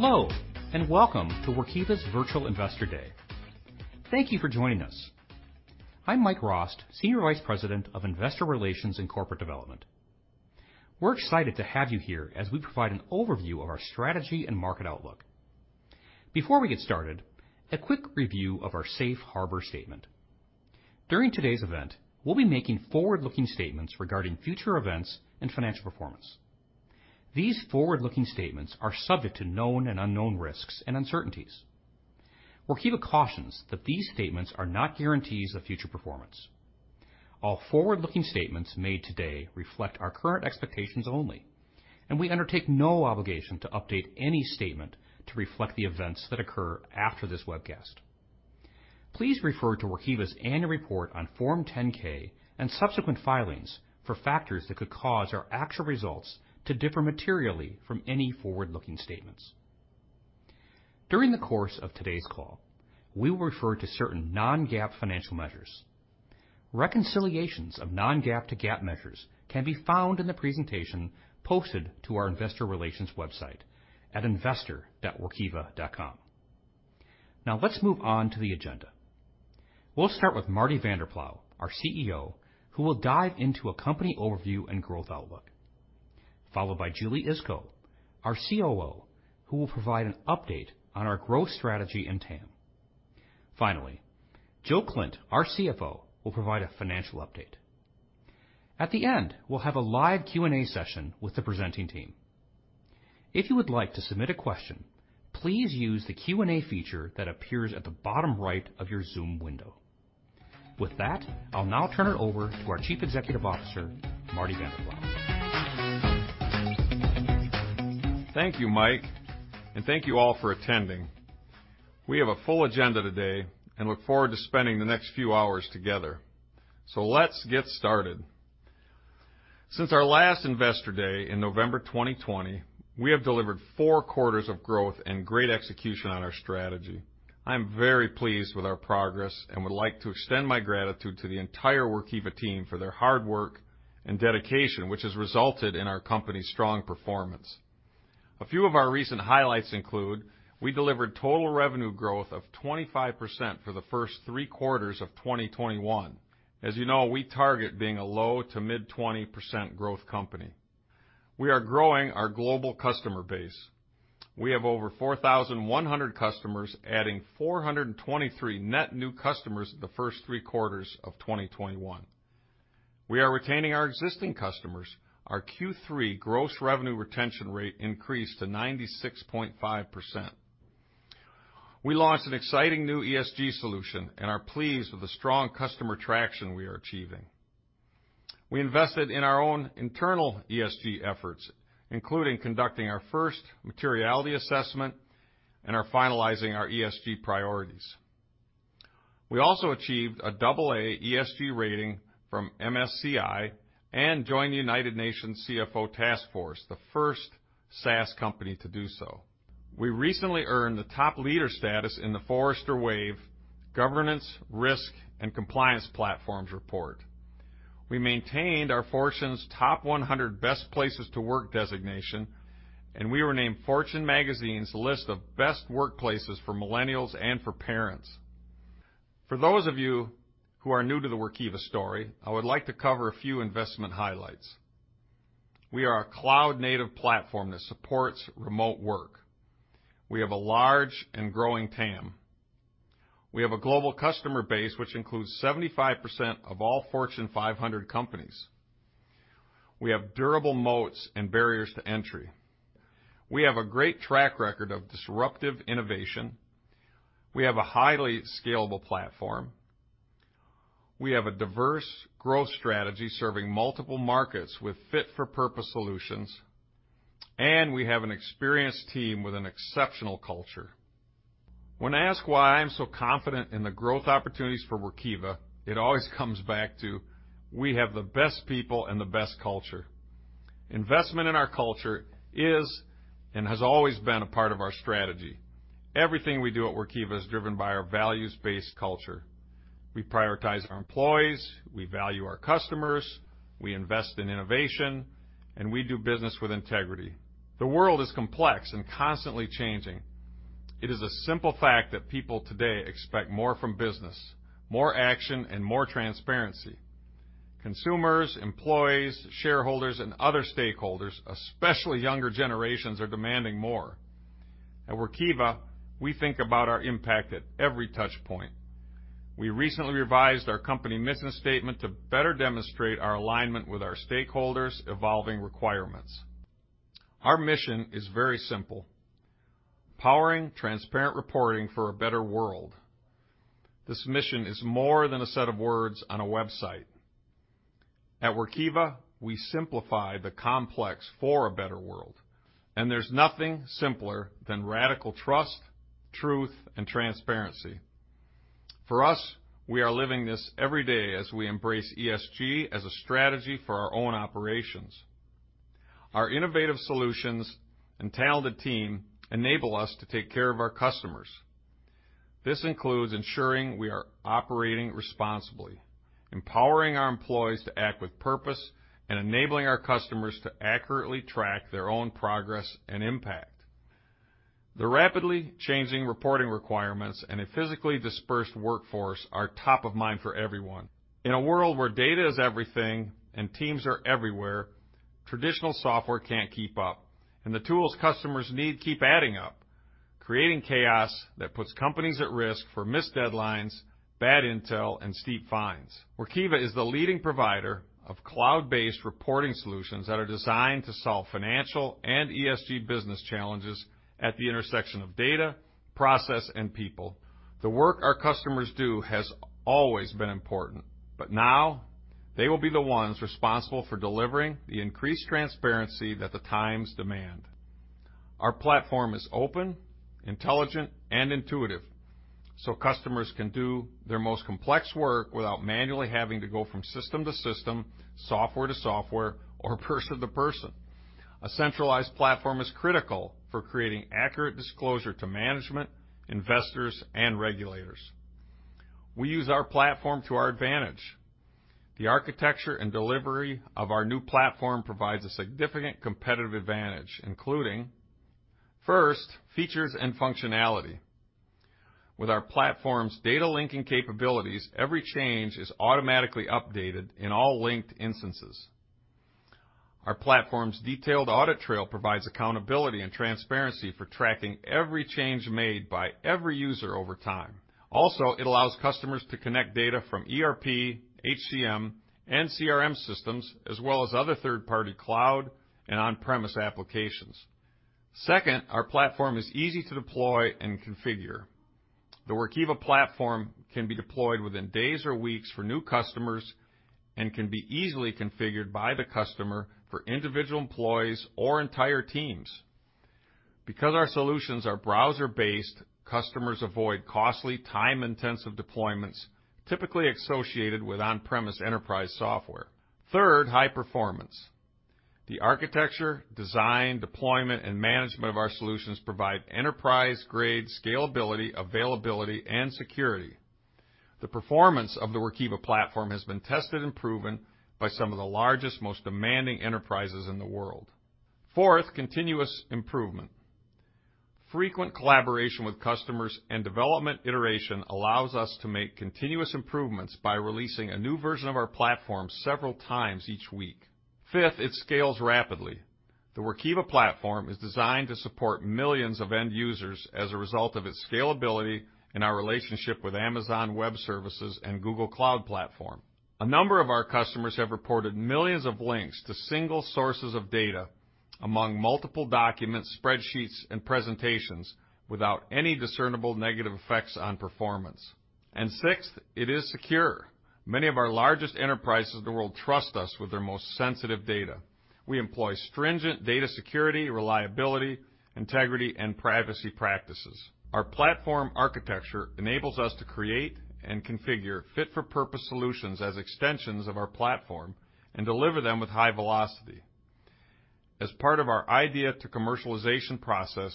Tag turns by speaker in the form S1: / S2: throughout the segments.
S1: Hello, and welcome to Workiva's Virtual Investor Day. Thank you for joining us. I'm Mike Rost, Senior Vice President of Investor Relations and Corporate Development. We're excited to have you here as we provide an overview of our strategy and market outlook. Before we get started, a quick review of our Safe Harbor Statement. During today's event, we'll be making forward-looking statements regarding future events and financial performance. These forward-looking statements are subject to known and unknown risks and uncertainties. Workiva cautions that these statements are not guarantees of future performance. All forward-looking statements made today reflect our current expectations only, and we undertake no obligation to update any statement to reflect the events that occur after this webcast. Please refer to Workiva's Annual Report on Form 10-K and subsequent filings for factors that could cause our actual results to differ materially from any forward-looking statements. During the course of today's call, we will refer to certain non-GAAP financial measures. Reconciliations of non-GAAP to GAAP measures can be found in the presentation posted to our Investor Relations website at investor.workiva.com. Now, let's move on to the agenda. We'll start with Marty Vanderploeg, our CEO, who will dive into a company overview and growth outlook, followed by Julie Iskow, our COO, who will provide an update on our growth strategy and TAM. Finally, Jill Klindt, our CFO, will provide a financial update. At the end, we'll have a live Q&A session with the presenting team. If you would like to submit a question, please use the Q&A feature that appears at the bottom right of your Zoom window. With that, I'll now turn it over to our Chief Executive Officer, Marty Vanderploeg.
S2: Thank you, Mike, and thank you all for attending. We have a full agenda today and look forward to spending the next few hours together. So let's get started. Since our last Investor Day in November 2020, we have delivered four quarters of growth and great execution on our strategy. I'm very pleased with our progress and would like to extend my gratitude to the entire Workiva team for their hard work and dedication, which has resulted in our company's strong performance. A few of our recent highlights include, we delivered total revenue growth of 25% for the first three quarters of 2021. As you know, we target being a low to mid-20% growth company. We are growing our global customer base. We have over 4,100 customers, adding 423 net new customers the first three quarters of 2021. We are retaining our existing customers. Our Q3 gross revenue retention rate increased to 96.5%. We launched an exciting new ESG solution and are pleased with the strong customer traction we are achieving. We invested in our own internal ESG efforts, including conducting our first materiality assessment and finalizing our ESG priorities. We also achieved a AA ESG rating from MSCI and joined the United Nations CFO Task Force, the first SaaS company to do so. We recently earned the top leader status in the Forrester Wave Governance, Risk, and Compliance Platforms Report. We maintained our Fortune's Top 100 Best Places to Work designation, and we were named Fortune Magazine's list of Best Workplaces for Millennials and for Parents. For those of you who are new to the Workiva story, I would like to cover a few investment highlights. We are a cloud-native platform that supports remote work. We have a large and growing TAM. We have a global customer base, which includes 75% of all Fortune 500 companies. We have durable moats and barriers to entry. We have a great track record of disruptive innovation. We have a highly scalable platform. We have a diverse growth strategy serving multiple markets with fit-for-purpose solutions, and we have an experienced team with an exceptional culture. When asked why I'm so confident in the growth opportunities for Workiva, it always comes back to we have the best people and the best culture. Investment in our culture is and has always been a part of our strategy. Everything we do at Workiva is driven by our values-based culture. We prioritize our employees, we value our customers, we invest in innovation, and we do business with integrity. The world is complex and constantly changing. It is a simple fact that people today expect more from business, more action, and more transparency. Consumers, employees, shareholders, and other stakeholders, especially younger generations, are demanding more. At Workiva, we think about our impact at every touchpoint. We recently revised our company mission statement to better demonstrate our alignment with our stakeholders' evolving requirements. Our mission is very simple: powering transparent reporting for a better world. This mission is more than a set of words on a website. At Workiva, we simplify the complex for a better world, and there's nothing simpler than radical trust, truth, and transparency. For us, we are living this every day as we embrace ESG as a strategy for our own operations. Our innovative solutions and talented team enable us to take care of our customers. This includes ensuring we are operating responsibly, empowering our employees to act with purpose, and enabling our customers to accurately track their own progress and impact. The rapidly changing reporting requirements and a physically dispersed workforce are top of mind for everyone. In a world where data is everything and teams are everywhere, traditional software can't keep up, and the tools customers need keep adding up, creating chaos that puts companies at risk for missed deadlines, bad intel, and steep fines. Workiva is the leading provider of cloud-based reporting solutions that are designed to solve financial and ESG business challenges at the intersection of data, process, and people. The work our customers do has always been important, but now they will be the ones responsible for delivering the increased transparency that the times demand. Our platform is open, intelligent, and intuitive, so customers can do their most complex work without manually having to go from system to system, software to software, or person to person. A centralized platform is critical for creating accurate disclosure to management, investors, and regulators. We use our platform to our advantage. The architecture and delivery of our new platform provides a significant competitive advantage, including, first, features and functionality. With our platform's data linking capabilities, every change is automatically updated in all linked instances. Our platform's detailed audit trail provides accountability and transparency for tracking every change made by every user over time. Also, it allows customers to connect data from ERP, HCM, and CRM systems, as well as other third-party cloud and on-premise applications. Second, our platform is easy to deploy and configure. The Workiva platform can be deployed within days or weeks for new customers and can be easily configured by the customer for individual employees or entire teams. Because our solutions are browser-based, customers avoid costly, time-intensive deployments typically associated with on-premise enterprise software. Third, high performance. The architecture, design, deployment, and management of our solutions provide enterprise-grade scalability, availability, and security. The performance of the Workiva platform has been tested and proven by some of the largest, most demanding enterprises in the world. Fourth, continuous improvement. Frequent collaboration with customers and development iteration allows us to make continuous improvements by releasing a new version of our platform several times each week. Fifth, it scales rapidly. The Workiva platform is designed to support millions of end users as a result of its scalability and our relationship with Amazon Web Services and Google Cloud Platform. A number of our customers have reported millions of links to single sources of data among multiple documents, spreadsheets, and presentations without any discernible negative effects on performance. Sixth, it is secure. Many of our largest enterprises in the world trust us with their most sensitive data. We employ stringent data security, reliability, integrity, and privacy practices. Our platform architecture enables us to create and configure fit-for-purpose solutions as extensions of our platform and deliver them with high velocity. As part of our idea-to-commercialization process,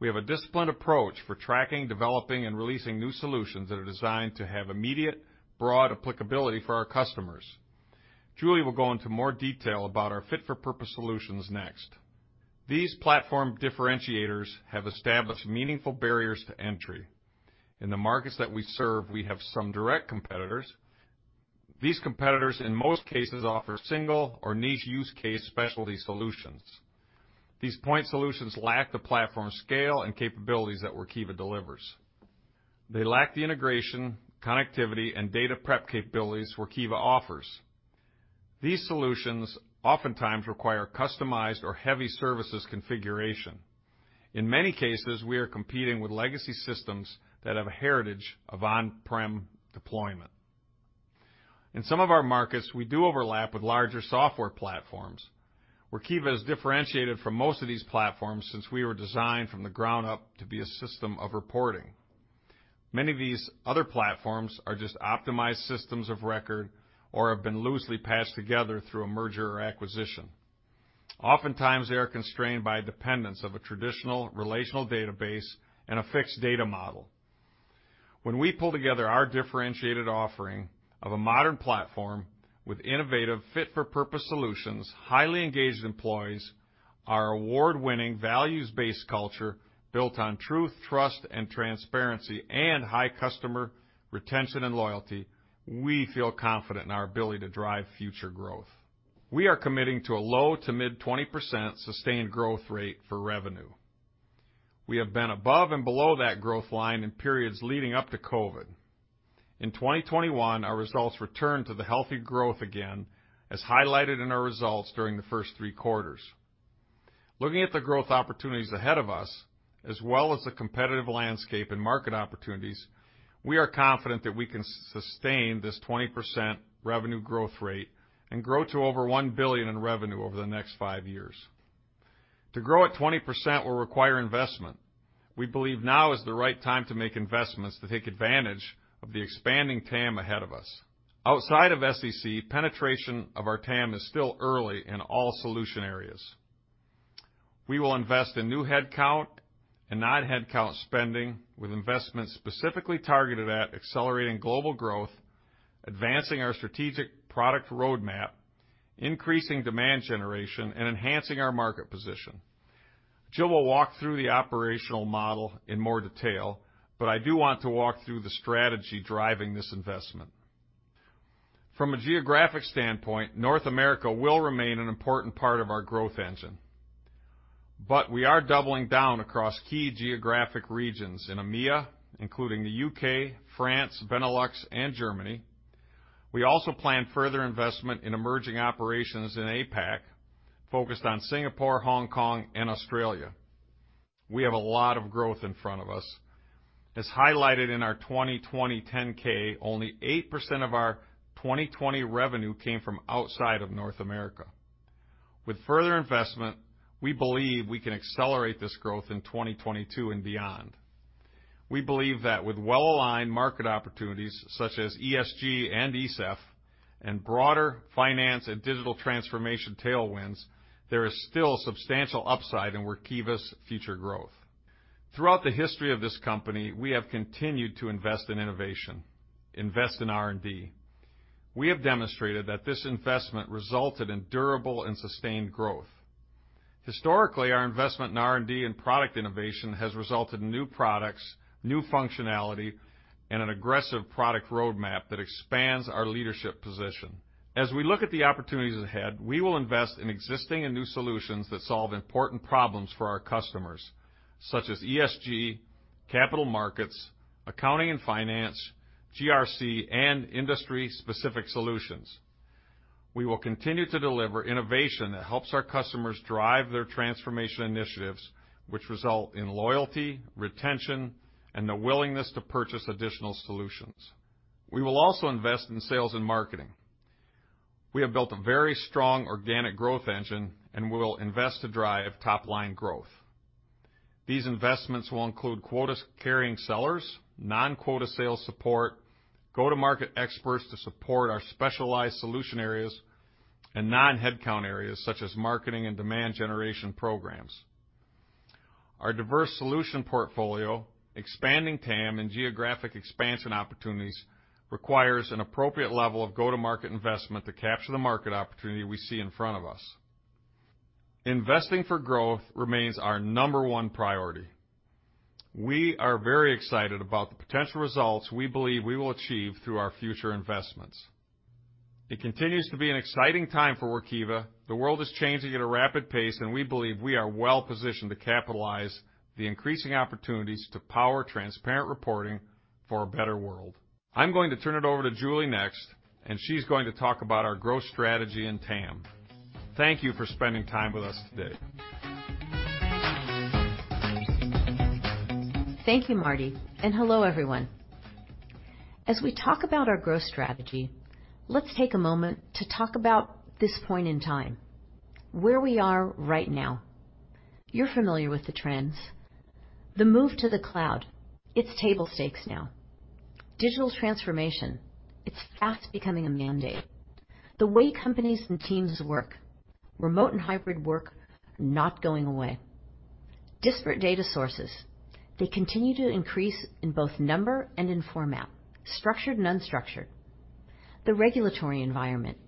S2: we have a disciplined approach for tracking, developing, and releasing new solutions that are designed to have immediate, broad applicability for our customers. Julie will go into more detail about our fit-for-purpose solutions next. These platform differentiators have established meaningful barriers to entry. In the markets that we serve, we have some direct competitors. These competitors, in most cases, offer single or niche use case specialty solutions. These point solutions lack the platform scale and capabilities that Workiva delivers. They lack the integration, connectivity, and data prep capabilities Workiva offers. These solutions oftentimes require customized or heavy services configuration. In many cases, we are competing with legacy systems that have a heritage of on-prem deployment. In some of our markets, we do overlap with larger software platforms. Workiva has differentiated from most of these platforms since we were designed from the ground up to be a system of reporting. Many of these other platforms are just optimized systems of record or have been loosely patched together through a merger or acquisition. Oftentimes, they are constrained by dependence of a traditional relational database and a fixed data model. When we pull together our differentiated offering of a modern platform with innovative fit-for-purpose solutions, highly engaged employees, our award-winning values-based culture built on truth, trust, and transparency, and high customer retention and loyalty, we feel confident in our ability to drive future growth. We are committing to a low- to mid-20% sustained growth rate for revenue. We have been above and below that growth line in periods leading up to COVID. In 2021, our results returned to the healthy growth again, as highlighted in our results during the first three quarters. Looking at the growth opportunities ahead of us, as well as the competitive landscape and market opportunities, we are confident that we can sustain this 20% revenue growth rate and grow to over one billion in revenue over the next five years. To grow at 20% will require investment. We believe now is the right time to make investments to take advantage of the expanding TAM ahead of us. Outside of SEC, penetration of our TAM is still early in all solution areas. We will invest in new headcount and non-headcount spending with investments specifically targeted at accelerating global growth, advancing our strategic product roadmap, increasing demand generation, and enhancing our market position. Jill will walk through the operational model in more detail, but I do want to walk through the strategy driving this investment. From a geographic standpoint, North America will remain an important part of our growth engine, but we are doubling down across key geographic regions in EMEA, including the U.K., France, Benelux, and Germany. We also plan further investment in emerging operations in APAC focused on Singapore, Hong Kong, and Australia. We have a lot of growth in front of us. As highlighted in our 2020 10-K, only 8% of our 2020 revenue came from outside of North America. With further investment, we believe we can accelerate this growth in 2022 and beyond. We believe that with well-aligned market opportunities such as ESG and ESEF and broader finance and digital transformation tailwinds, there is still substantial upside in Workiva's future growth. Throughout the history of this company, we have continued to invest in innovation, invest in R&D. We have demonstrated that this investment resulted in durable and sustained growth. Historically, our investment in R&D and product innovation has resulted in new products, new functionality, and an aggressive product roadmap that expands our leadership position. As we look at the opportunities ahead, we will invest in existing and new solutions that solve important problems for our customers, such as ESG, capital markets, accounting and finance, GRC, and industry-specific solutions. We will continue to deliver innovation that helps our customers drive their transformation initiatives, which result in loyalty, retention, and the willingness to purchase additional solutions. We will also invest in sales and marketing. We have built a very strong organic growth engine and will invest to drive top-line growth. These investments will include quota-carrying sellers, non-quota sales support, go-to-market experts to support our specialized solution areas, and non-headcount areas such as marketing and demand generation programs. Our diverse solution portfolio, expanding TAM and geographic expansion opportunities, requires an appropriate level of go-to-market investment to capture the market opportunity we see in front of us. Investing for growth remains our number one priority. We are very excited about the potential results we believe we will achieve through our future investments. It continues to be an exciting time for Workiva. The world is changing at a rapid pace, and we believe we are well-positioned to capitalize on the increasing opportunities to power transparent reporting for a better world. I'm going to turn it over to Julie next, and she's going to talk about our growth strategy and TAM. Thank you for spending time with us today.
S3: Thank you, Marty, and hello, everyone. As we talk about our growth strategy, let's take a moment to talk about this point in time, where we are right now. You're familiar with the trends. The move to the cloud, it's table stakes now. Digital transformation, it's fast becoming a mandate. The way companies and teams work, remote and hybrid work, not going away. Disparate data sources, they continue to increase in both number and in format, structured and unstructured. The regulatory environment,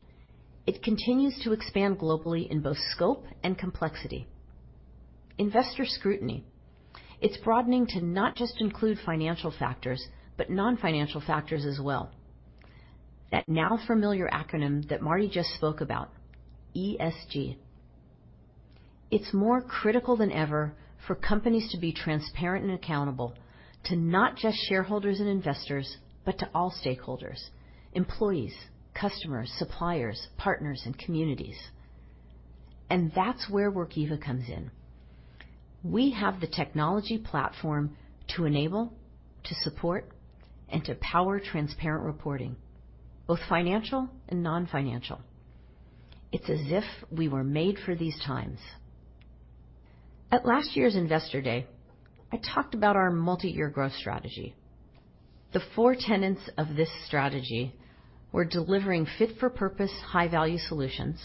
S3: it continues to expand globally in both scope and complexity. Investor scrutiny, it's broadening to not just include financial factors, but non-financial factors as well. That now familiar acronym that Marty just spoke about, ESG. It's more critical than ever for companies to be transparent and accountable to not just shareholders and investors, but to all stakeholders: employees, customers, suppliers, partners, and communities, and that's where Workiva comes in. We have the technology platform to enable, to support, and to power transparent reporting, both financial and non-financial. It's as if we were made for these times. At last year's Investor Day, I talked about our multi-year growth strategy. The four tenets of this strategy were delivering fit-for-purpose, high-value solutions,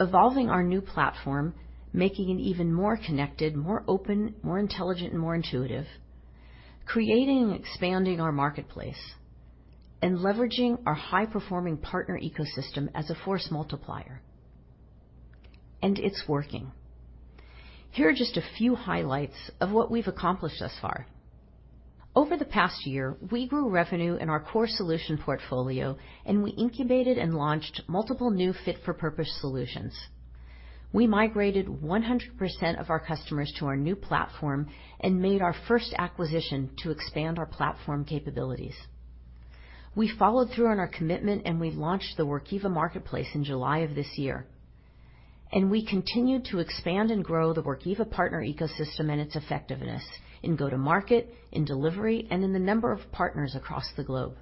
S3: evolving our new platform, making it even more connected, more open, more intelligent, and more intuitive, creating and expanding our marketplace, and leveraging our high-performing partner ecosystem as a force multiplier, and it's working. Here are just a few highlights of what we've accomplished thus far. Over the past year, we grew revenue in our core solution portfolio, and we incubated and launched multiple new fit-for-purpose solutions. We migrated 100% of our customers to our new platform and made our first acquisition to expand our platform capabilities. We followed through on our commitment, and we launched the Workiva Marketplace in July of this year, and we continued to expand and grow the Workiva partner ecosystem and its effectiveness in go-to-market, in delivery, and in the number of partners across the globe.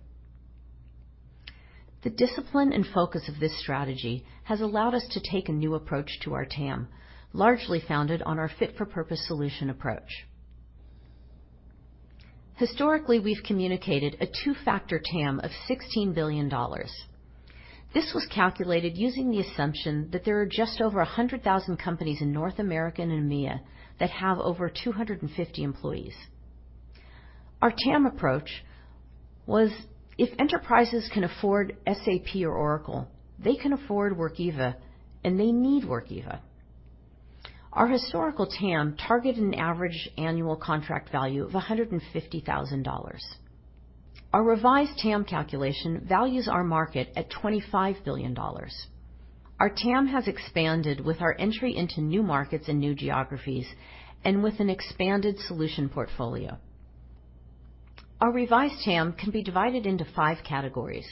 S3: The discipline and focus of this strategy has allowed us to take a new approach to our TAM, largely founded on our fit-for-purpose solution approach. Historically, we've communicated a two-factor TAM of $16 billion. This was calculated using the assumption that there are just over 100,000 companies in North America and EMEA that have over 250 employees. Our TAM approach was, if enterprises can afford SAP or Oracle, they can afford Workiva, and they need Workiva. Our historical TAM targeted an average annual contract value of $150,000. Our revised TAM calculation values our market at $25 billion. Our TAM has expanded with our entry into new markets and new geographies and with an expanded solution portfolio. Our revised TAM can be divided into five categories.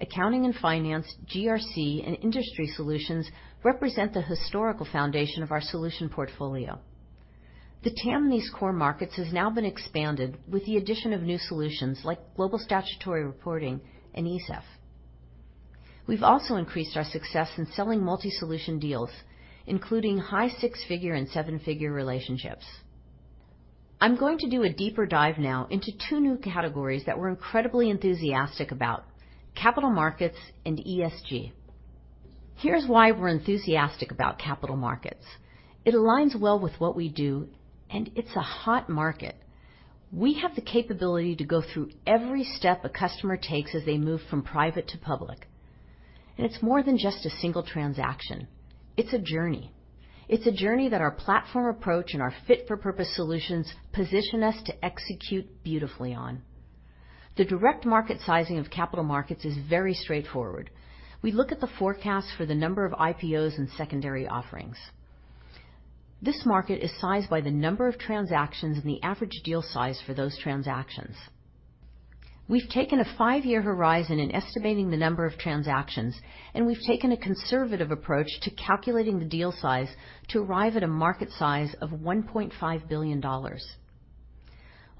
S3: Accounting and finance, GRC, and industry solutions represent the historical foundation of our solution portfolio. The TAM in these core markets has now been expanded with the addition of new solutions like Global Statutory Reporting and ESEF. We've also increased our success in selling multi-solution deals, including high six-figure and seven-figure relationships. I'm going to do a deeper dive now into two new categories that we're incredibly enthusiastic about: capital markets and ESG. Here's why we're enthusiastic about capital markets. It aligns well with what we do, and it's a hot market. We have the capability to go through every step a customer takes as they move from private to public, and it's more than just a single transaction. It's a journey. It's a journey that our platform approach and our fit-for-purpose solutions position us to execute beautifully on. The direct market sizing of capital markets is very straightforward. We look at the forecast for the number of IPOs and secondary offerings. This market is sized by the number of transactions and the average deal size for those transactions. We've taken a five-year horizon in estimating the number of transactions, and we've taken a conservative approach to calculating the deal size to arrive at a market size of $1.5 billion.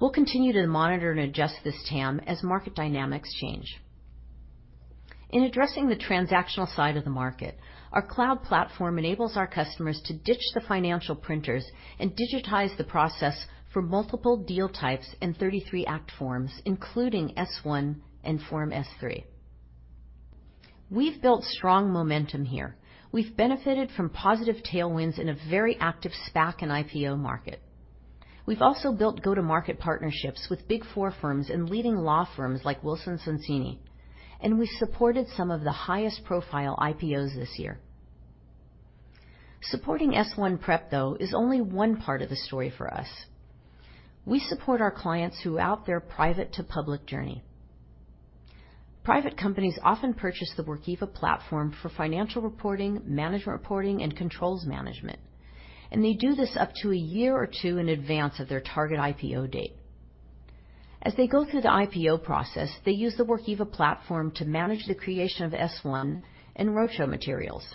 S3: We'll continue to monitor and adjust this TAM as market dynamics change. In addressing the transactional side of the market, our cloud platform enables our customers to ditch the financial printers and digitize the process for multiple deal types and '33 Act forms, including S-1 and Form S-3. We've built strong momentum here. We've benefited from positive tailwinds in a very active SPAC and IPO market. We've also built go-to-market partnerships with Big Four firms and leading law firms like Wilson Sonsini, and we supported some of the highest profile IPOs this year. Supporting S-1 prep, though, is only one part of the story for us. We support our clients throughout their private-to-public journey. Private companies often purchase the Workiva platform for Financial Reporting, Management Reporting, and controls management, and they do this up to a year or two in advance of their target IPO date. As they go through the IPO process, they use the Workiva platform to manage the creation of S-1 and roadshow materials.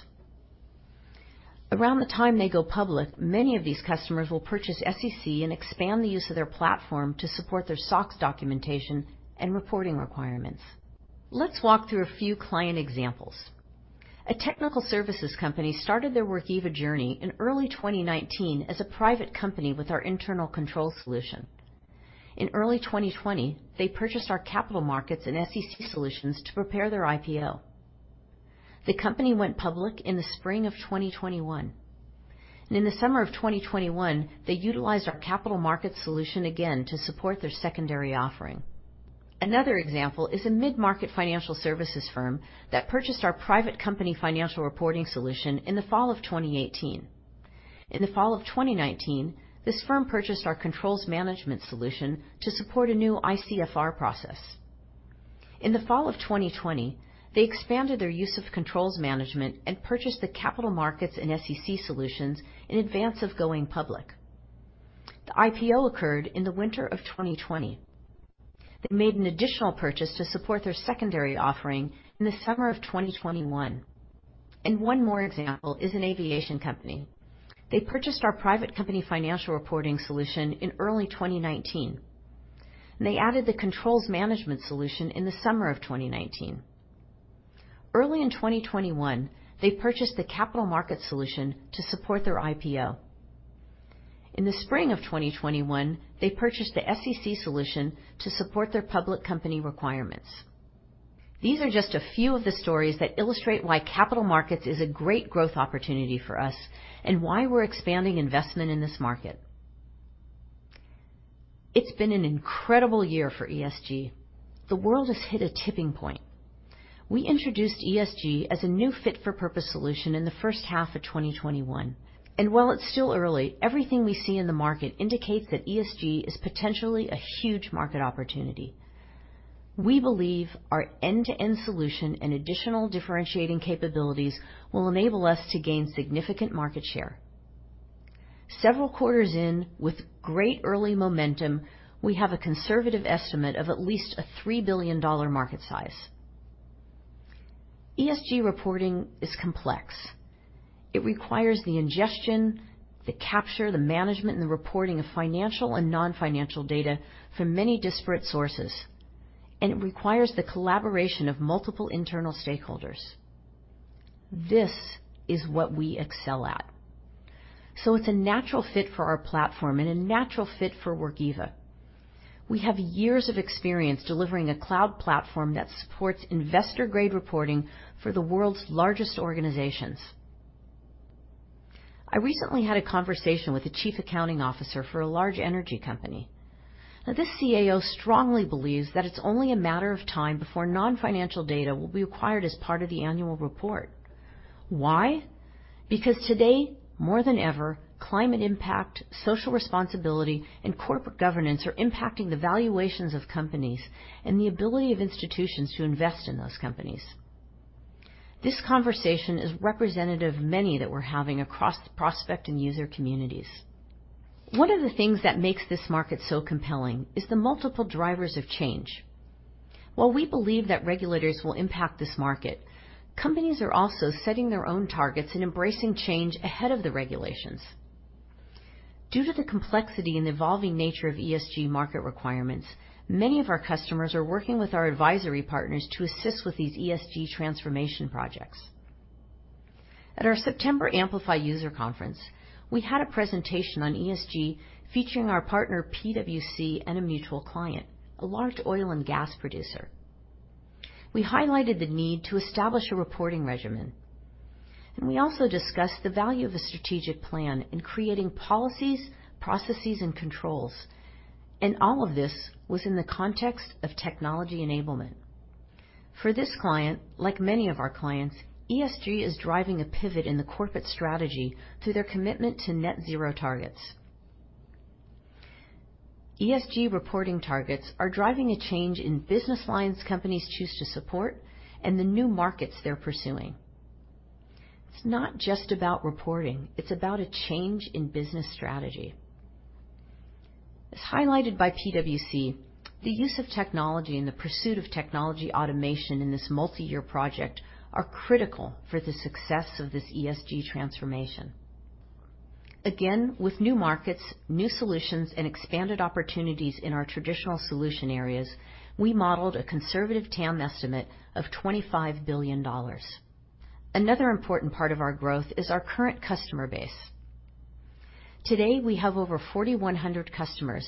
S3: Around the time they go public, many of these customers will purchase SEC and expand the use of their platform to support their SOX documentation and reporting requirements. Let's walk through a few client examples. A technical services company started their Workiva journey in early 2019 as a private company with our Internal Control solution. In early 2020, they purchased our capital markets and SEC solutions to prepare their IPO. The company went public in the spring of 2021, and in the summer of 2021, they utilized our capital markets solution again to support their secondary offering. Another example is a mid-market financial services firm that purchased our Private Company Financial Reporting solution in the fall of 2018. In the fall of 2019, this firm purchased our Controls Management solution to support a new ICFR process. In the fall of 2020, they expanded their use of Controls Management and purchased the Capital Markets and SEC solutions in advance of going public. The IPO occurred in the winter of 2020. They made an additional purchase to support their secondary offering in the summer of 2021, and one more example is an aviation company. They purchased our Private Company Financial Reporting solution in early 2019. They added the Controls Management solution in the summer of 2019. Early in 2021, they purchased the Capital Markets solution to support their IPO. In the spring of 2021, they purchased the SEC solution to support their public company requirements. These are just a few of the stories that illustrate why Capital Markets is a great growth opportunity for us and why we're expanding investment in this market. It's been an incredible year for ESG. The world has hit a tipping point. We introduced ESG as a new fit-for-purpose solution in the first half of 2021, and while it's still early, everything we see in the market indicates that ESG is potentially a huge market opportunity. We believe our end-to-end solution and additional differentiating capabilities will enable us to gain significant market share. Several quarters in, with great early momentum, we have a conservative estimate of at least a $3 billion market size. ESG Reporting is complex. It requires the ingestion, the capture, the management, and the reporting of financial and non-financial data from many disparate sources, and it requires the collaboration of multiple internal stakeholders. This is what we excel at. So it's a natural fit for our platform and a natural fit for Workiva. We have years of experience delivering a cloud platform that supports investor-grade reporting for the world's largest organizations. I recently had a conversation with the chief accounting officer for a large energy company. Now, this CAO strongly believes that it's only a matter of time before non-financial data will be required as part of the annual report. Why? Because today, more than ever, climate impact, social responsibility, and corporate governance are impacting the valuations of companies and the ability of institutions to invest in those companies. This conversation is representative of many that we're having across the prospect and user communities. One of the things that makes this market so compelling is the multiple drivers of change. While we believe that regulators will impact this market, companies are also setting their own targets and embracing change ahead of the regulations. Due to the complexity and evolving nature of ESG market requirements, many of our customers are working with our advisory partners to assist with these ESG transformation projects. At our September Amplify User Conference, we had a presentation on ESG featuring our partner PwC and a mutual client, a large oil and gas producer. We highlighted the need to establish a reporting regime and we also discussed the value of a strategic plan in creating policies, processes, and controls and all of this was in the context of technology enablement. For this client, like many of our clients, ESG is driving a pivot in the corporate strategy through their commitment to net-zero targets. ESG reporting targets are driving a change in business lines companies choose to support and the new markets they're pursuing. It's not just about reporting; it's about a change in business strategy. As highlighted by PwC, the use of technology and the pursuit of technology automation in this multi-year project are critical for the success of this ESG transformation. Again, with new markets, new solutions, and expanded opportunities in our traditional solution areas, we modeled a conservative TAM estimate of $25 billion. Another important part of our growth is our current customer base. Today, we have over 4,100 customers,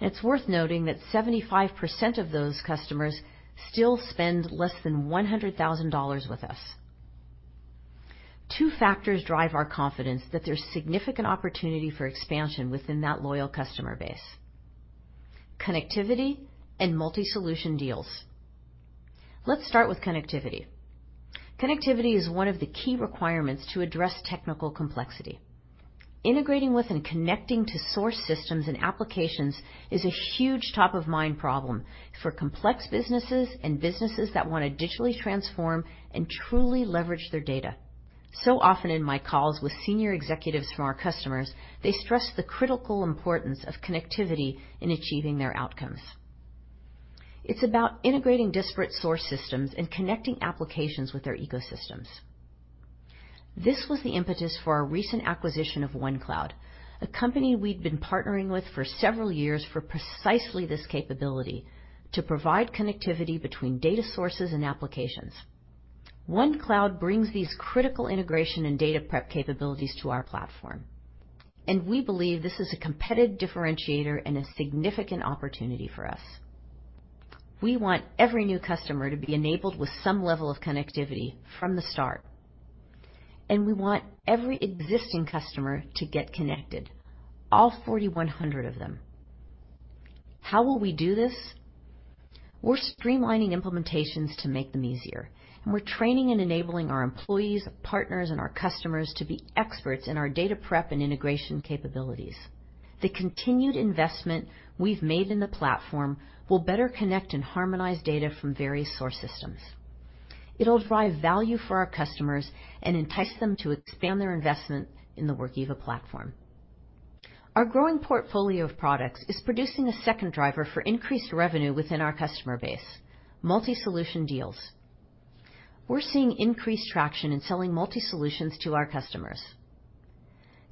S3: and it's worth noting that 75% of those customers still spend less than $100,000 with us. Two factors drive our confidence that there's significant opportunity for expansion within that loyal customer base: connectivity and multi-solution deals. Let's start with connectivity. Connectivity is one of the key requirements to address technical complexity. Integrating with and connecting to source systems and applications is a huge top-of-mind problem for complex businesses and businesses that want to digitally transform and truly leverage their data. So often in my calls with senior executives from our customers, they stress the critical importance of connectivity in achieving their outcomes. It's about integrating disparate source systems and connecting applications with their ecosystems. This was the impetus for our recent acquisition of OneCloud, a company we'd been partnering with for several years for precisely this capability: to provide connectivity between data sources and applications. OneCloud brings these critical integration and data prep capabilities to our platform. And we believe this is a competitive differentiator and a significant opportunity for us. We want every new customer to be enabled with some level of connectivity from the start. And we want every existing customer to get connected, all 4,100 of them. How will we do this? We're streamlining implementations to make them easier. And we're training and enabling our employees, partners, and our customers to be experts in our data prep and integration capabilities. The continued investment we've made in the platform will better connect and harmonize data from various source systems. It'll drive value for our customers and entice them to expand their investment in the Workiva platform. Our growing portfolio of products is producing a second driver for increased revenue within our customer base: multi-solution deals. We're seeing increased traction in selling multi-solutions to our customers.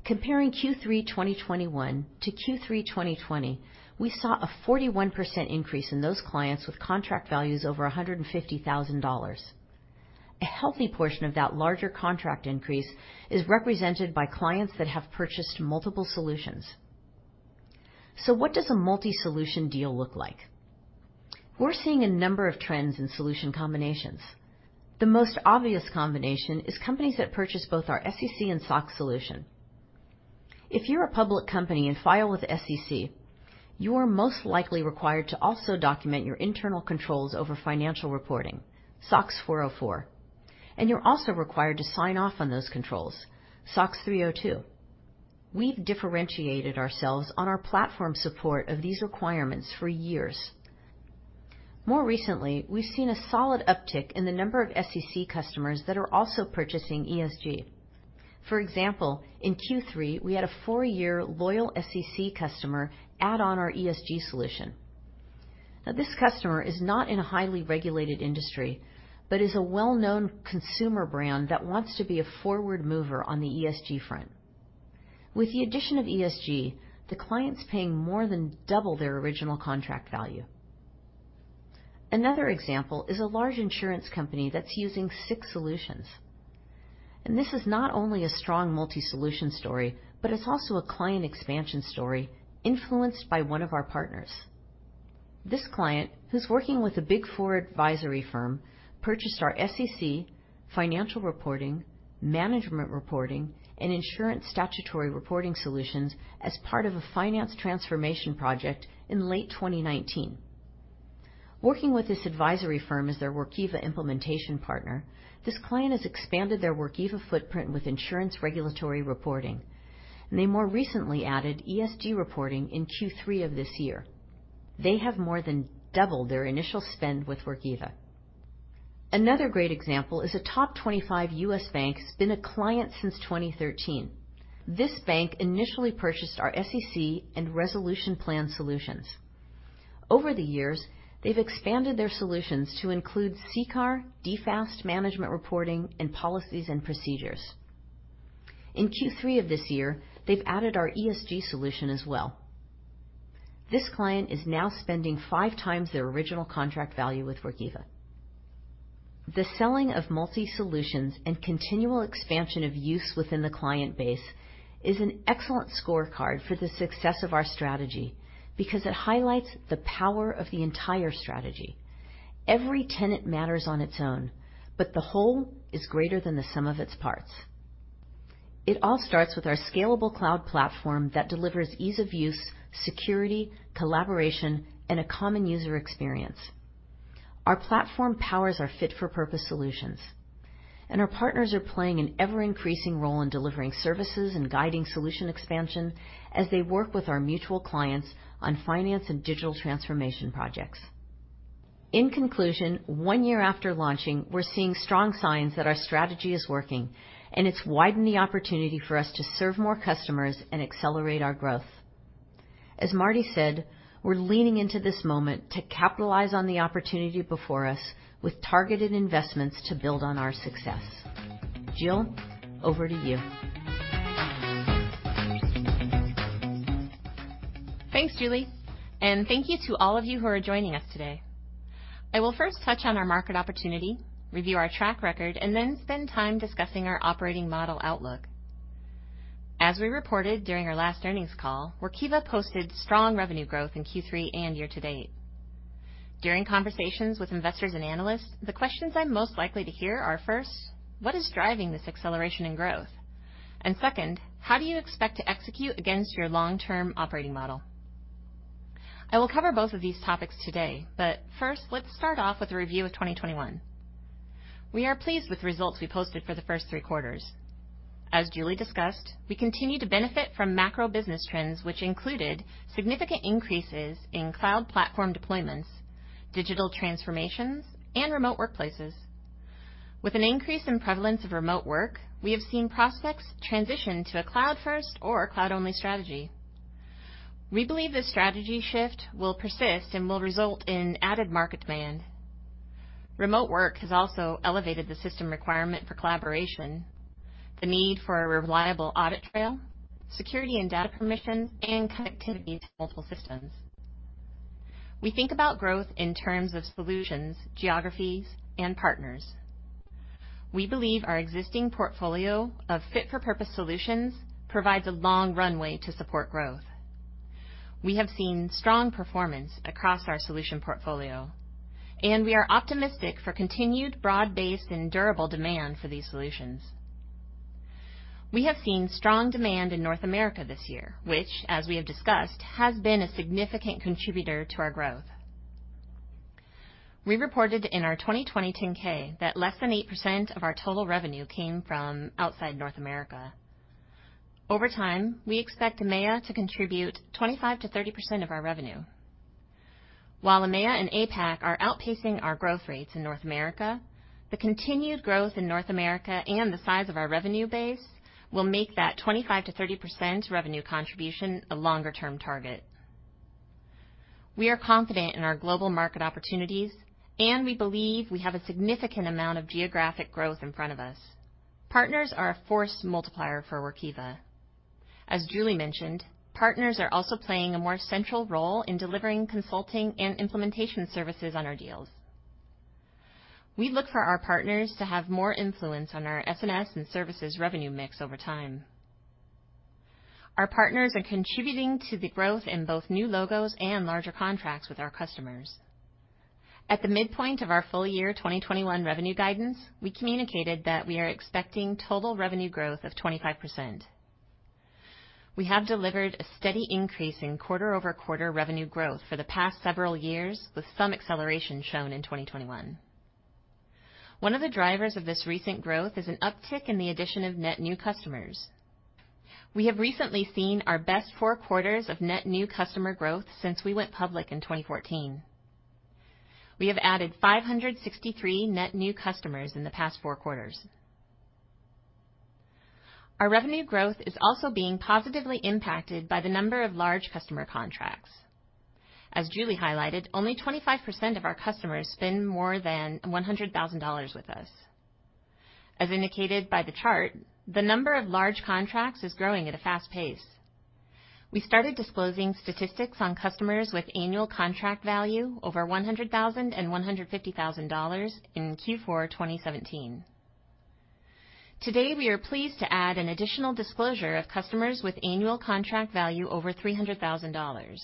S3: Comparing Q3 2021 to Q3 2020, we saw a 41% increase in those clients with contract values over $150,000. A healthy portion of that larger contract increase is represented by clients that have purchased multiple solutions. So what does a multi-solution deal look like? We're seeing a number of trends in solution combinations. The most obvious combination is companies that purchase both our SEC and SOX solution. If you're a public company and file with SEC, you are most likely required to also document your Internal Controls over Financial Reporting, SOX 404. And you're also required to sign off on those controls, SOX 302. We've differentiated ourselves on our platform support of these requirements for years. More recently, we've seen a solid uptick in the number of SEC customers that are also purchasing ESG. For example, in Q3, we had a four-year loyal SEC customer add on our ESG solution. Now, this customer is not in a highly regulated industry, but is a well-known consumer brand that wants to be a forward mover on the ESG front. With the addition of ESG, the client's paying more than double their original contract value. Another example is a large insurance company that's using SEC Solutions. And this is not only a strong multi-solution story, but it's also a client expansion story influenced by one of our partners. This client, who's working with a Big Four advisory firm, purchased our SEC, Financial Reporting, Management Reporting, and Insurance Statutory Reporting solutions as part of a finance transformation project in late 2019. Working with this advisory firm as their Workiva implementation partner, this client has expanded their Workiva footprint with Insurance Regulatory Reporting. And they more recently added ESG reporting in Q3 of this year. They have more than doubled their initial spend with Workiva. Another great example is a top 25 U.S. bank that's been a client since 2013. This bank initially purchased our SEC and Resolution Plan solutions. Over the years, they've expanded their solutions to include CCAR, DFAST Management Reporting, and Policies and Procedures. In Q3 of this year, they've added our ESG solution as well. This client is now spending five times their original contract value with Workiva. The selling of multi-solutions and continual expansion of use within the client base is an excellent scorecard for the success of our strategy because it highlights the power of the entire strategy. Every tenet matters on its own, but the whole is greater than the sum of its parts. It all starts with our scalable cloud platform that delivers ease of use, security, collaboration, and a common user experience. Our platform powers our fit-for-purpose solutions, and our partners are playing an ever-increasing role in delivering services and guiding solution expansion as they work with our mutual clients on finance and digital transformation projects. In conclusion, one year after launching, we're seeing strong signs that our strategy is working, and it's widened the opportunity for us to serve more customers and accelerate our growth. As Marty said, we're leaning into this moment to capitalize on the opportunity before us with targeted investments to build on our success. Jill, over to you.
S4: Thanks, Julie, and thank you to all of you who are joining us today. I will first touch on our market opportunity, review our track record, and then spend time discussing our operating model outlook. As we reported during our last earnings call, Workiva posted strong revenue growth in Q3 and year-to-date. During conversations with investors and analysts, the questions I'm most likely to hear are first, what is driving this acceleration in growth? And second, how do you expect to execute against your long-term operating model? I will cover both of these topics today, but first, let's start off with a review of 2021. We are pleased with results we posted for the first three quarters. As Julie discussed, we continue to benefit from macro business trends, which included significant increases in cloud platform deployments, digital transformations, and remote workplaces. With an increase in prevalence of remote work, we have seen prospects transition to a cloud-first or cloud-only strategy. We believe this strategy shift will persist and will result in added market demand. Remote work has also elevated the system requirement for collaboration, the need for a reliable audit trail, security and data permissions, and connectivity to multiple systems. We think about growth in terms of solutions, geographies, and partners. We believe our existing portfolio of fit-for-purpose solutions provides a long runway to support growth. We have seen strong performance across our solution portfolio, and we are optimistic for continued broad-based and durable demand for these solutions. We have seen strong demand in North America this year, which, as we have discussed, has been a significant contributor to our growth. We reported in our 2020 10-K that less than 8% of our total revenue came from outside North America. Over time, we expect EMEA to contribute 25%-30% of our revenue. While EMEA and APAC are outpacing our growth rates in North America, the continued growth in North America and the size of our revenue base will make that 25%-30% revenue contribution a longer-term target. We are confident in our global market opportunities, and we believe we have a significant amount of geographic growth in front of us. Partners are a force multiplier for Workiva. As Julie mentioned, partners are also playing a more central role in delivering consulting and implementation services on our deals. We look for our partners to have more influence on our S&S and services revenue mix over time. Our partners are contributing to the growth in both new logos and larger contracts with our customers. At the midpoint of our full-year 2021 revenue guidance, we communicated that we are expecting total revenue growth of 25%. We have delivered a steady increase in quarter-over-quarter revenue growth for the past several years, with some acceleration shown in 2021. One of the drivers of this recent growth is an uptick in the addition of net new customers. We have recently seen our best four quarters of net new customer growth since we went public in 2014. We have added 563 net new customers in the past four quarters. Our revenue growth is also being positively impacted by the number of large customer contracts. As Julie highlighted, only 25% of our customers spend more than $100,000 with us. As indicated by the chart, the number of large contracts is growing at a fast pace. We started disclosing statistics on customers with annual contract value over $100,000 and $150,000 in Q4 2017. Today, we are pleased to add an additional disclosure of customers with annual contract value over $300,000.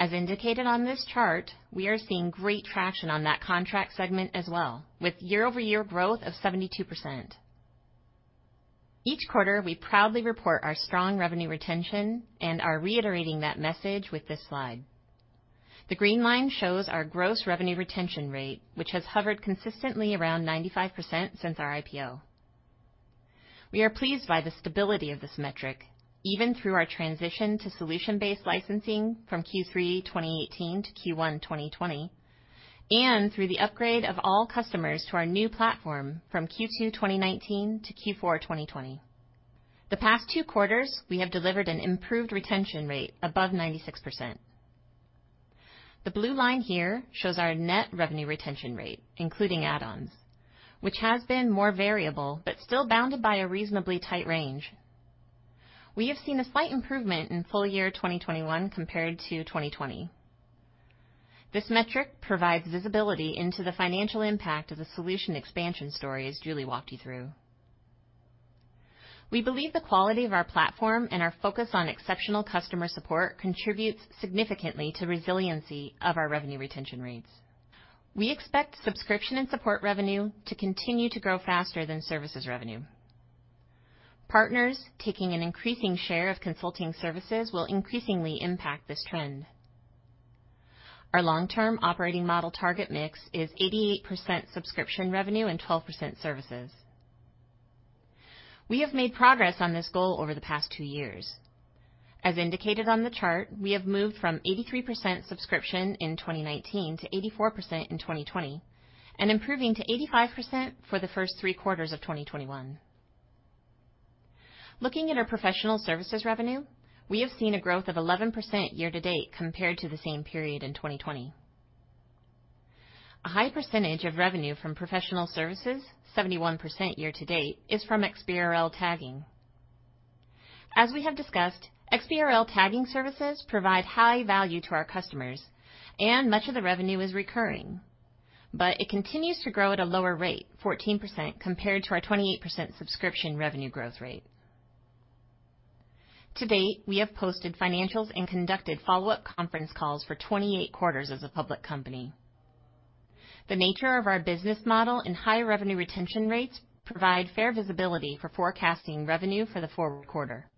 S4: As indicated on this chart, we are seeing great traction on that contract segment as well, with year-over-year growth of 72%. Each quarter, we proudly report our strong revenue retention and are reiterating that message with this slide. The green line shows our gross revenue retention rate, which has hovered consistently around 95% since our IPO. We are pleased by the stability of this metric, even through our transition to solution-based licensing from Q3 2018 to Q1 2020, and through the upgrade of all customers to our new platform from Q2 2019 to Q4 2020. The past two quarters, we have delivered an improved retention rate above 96%. The blue line here shows our net revenue retention rate, including add-ons, which has been more variable but still bounded by a reasonably tight range. We have seen a slight improvement in full-year 2021 compared to 2020. This metric provides visibility into the financial impact of the solution expansion story as Julie walked you through. We believe the quality of our platform and our focus on exceptional customer support contributes significantly to the resiliency of our revenue retention rates. We expect subscription and support revenue to continue to grow faster than services revenue. Partners taking an increasing share of consulting services will increasingly impact this trend. Our long-term operating model target mix is 88% subscription revenue and 12% services. We have made progress on this goal over the past two years. As indicated on the chart, we have moved from 83% subscription in 2019 to 84% in 2020, and improving to 85% for the first three quarters of 2021. Looking at our professional services revenue, we have seen a growth of 11% year-to-date compared to the same period in 2020. A high percentage of revenue from professional services, 71% year-to-date, is from XBRL tagging. As we have discussed, XBRL tagging services provide high value to our customers, and much of the revenue is recurring. But it continues to grow at a lower rate, 14%, compared to our 28% subscription revenue growth rate. To date, we have posted financials and conducted follow-up conference calls for 28 quarters as a public company. The nature of our business model and high revenue retention rates provide fair visibility for forecasting revenue for the forward quarter.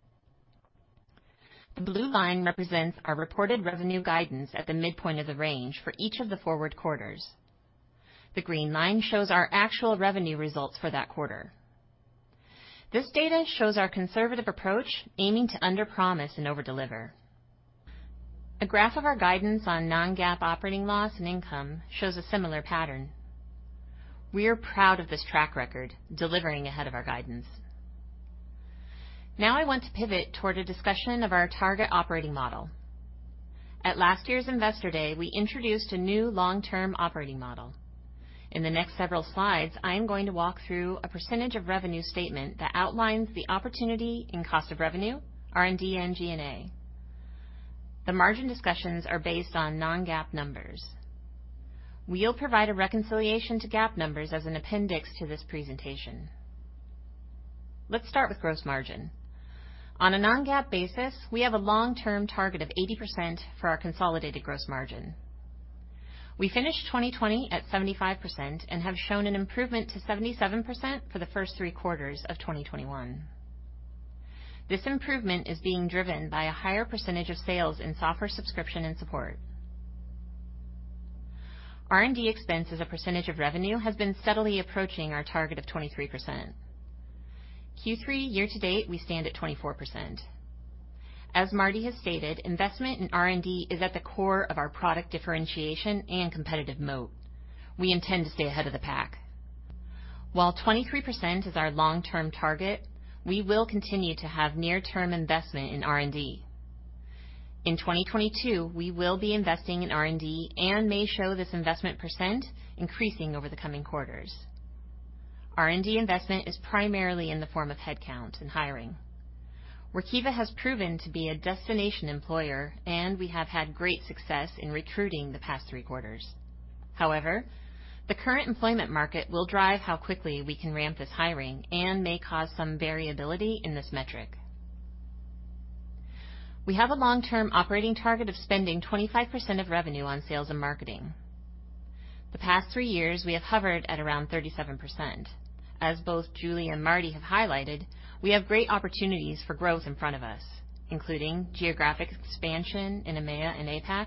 S4: The blue line represents our reported revenue guidance at the midpoint of the range for each of the forward quarters. The green line shows our actual revenue results for that quarter. This data shows our conservative approach, aiming to under-promise and over-deliver. A graph of our guidance on non-GAAP operating loss and income shows a similar pattern. We are proud of this track record, delivering ahead of our guidance. Now I want to pivot toward a discussion of our target operating model. At last year's Investor Day, we introduced a new long-term operating model. In the next several slides, I am going to walk through a percentage of revenue statement that outlines the opportunity and cost of revenue, R&D and G&A. The margin discussions are based on non-GAAP numbers. We'll provide a reconciliation to GAAP numbers as an appendix to this presentation. Let's start with gross margin. On a non-GAAP basis, we have a long-term target of 80% for our consolidated gross margin. We finished 2020 at 75% and have shown an improvement to 77% for the first three quarters of 2021. This improvement is being driven by a higher percentage of sales in software subscription and support. R&D expense as a percentage of revenue has been steadily approaching our target of 23%. Q3 year-to-date, we stand at 24%. As Marty has stated, investment in R&D is at the core of our product differentiation and competitive moat. We intend to stay ahead of the pack. While 23% is our long-term target, we will continue to have near-term investment in R&D. In 2022, we will be investing in R&D and may show this investment percent increasing over the coming quarters. R&D investment is primarily in the form of headcount and hiring. Workiva has proven to be a destination employer, and we have had great success in recruiting the past three quarters. However, the current employment market will drive how quickly we can ramp this hiring and may cause some variability in this metric. We have a long-term operating target of spending 25% of revenue on sales and marketing. The past three years, we have hovered at around 37%. As both Julie and Marty have highlighted, we have great opportunities for growth in front of us, including geographic expansion in EMEA and APAC,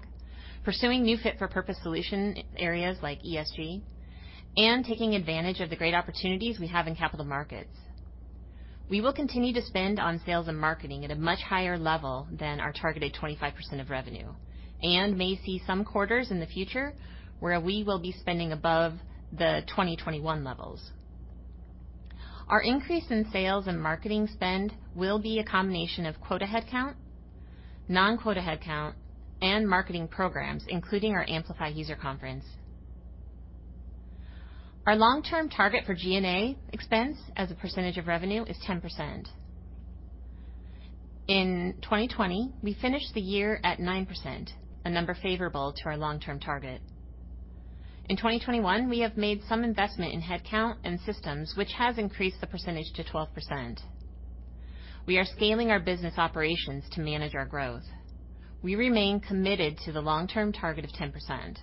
S4: pursuing new fit-for-purpose solution areas like ESG, and taking advantage of the great opportunities we have in capital markets. We will continue to spend on sales and marketing at a much higher level than our targeted 25% of revenue and may see some quarters in the future where we will be spending above the 2021 levels. Our increase in sales and marketing spend will be a combination of quota headcount, non-quota headcount, and marketing programs, including our Amplify User Conference. Our long-term target for G&A expense as a percentage of revenue is 10%. In 2020, we finished the year at 9%, a number favorable to our long-term target. In 2021, we have made some investment in headcount and systems, which has increased the percentage to 12%. We are scaling our business operations to manage our growth. We remain committed to the long-term target of 10%.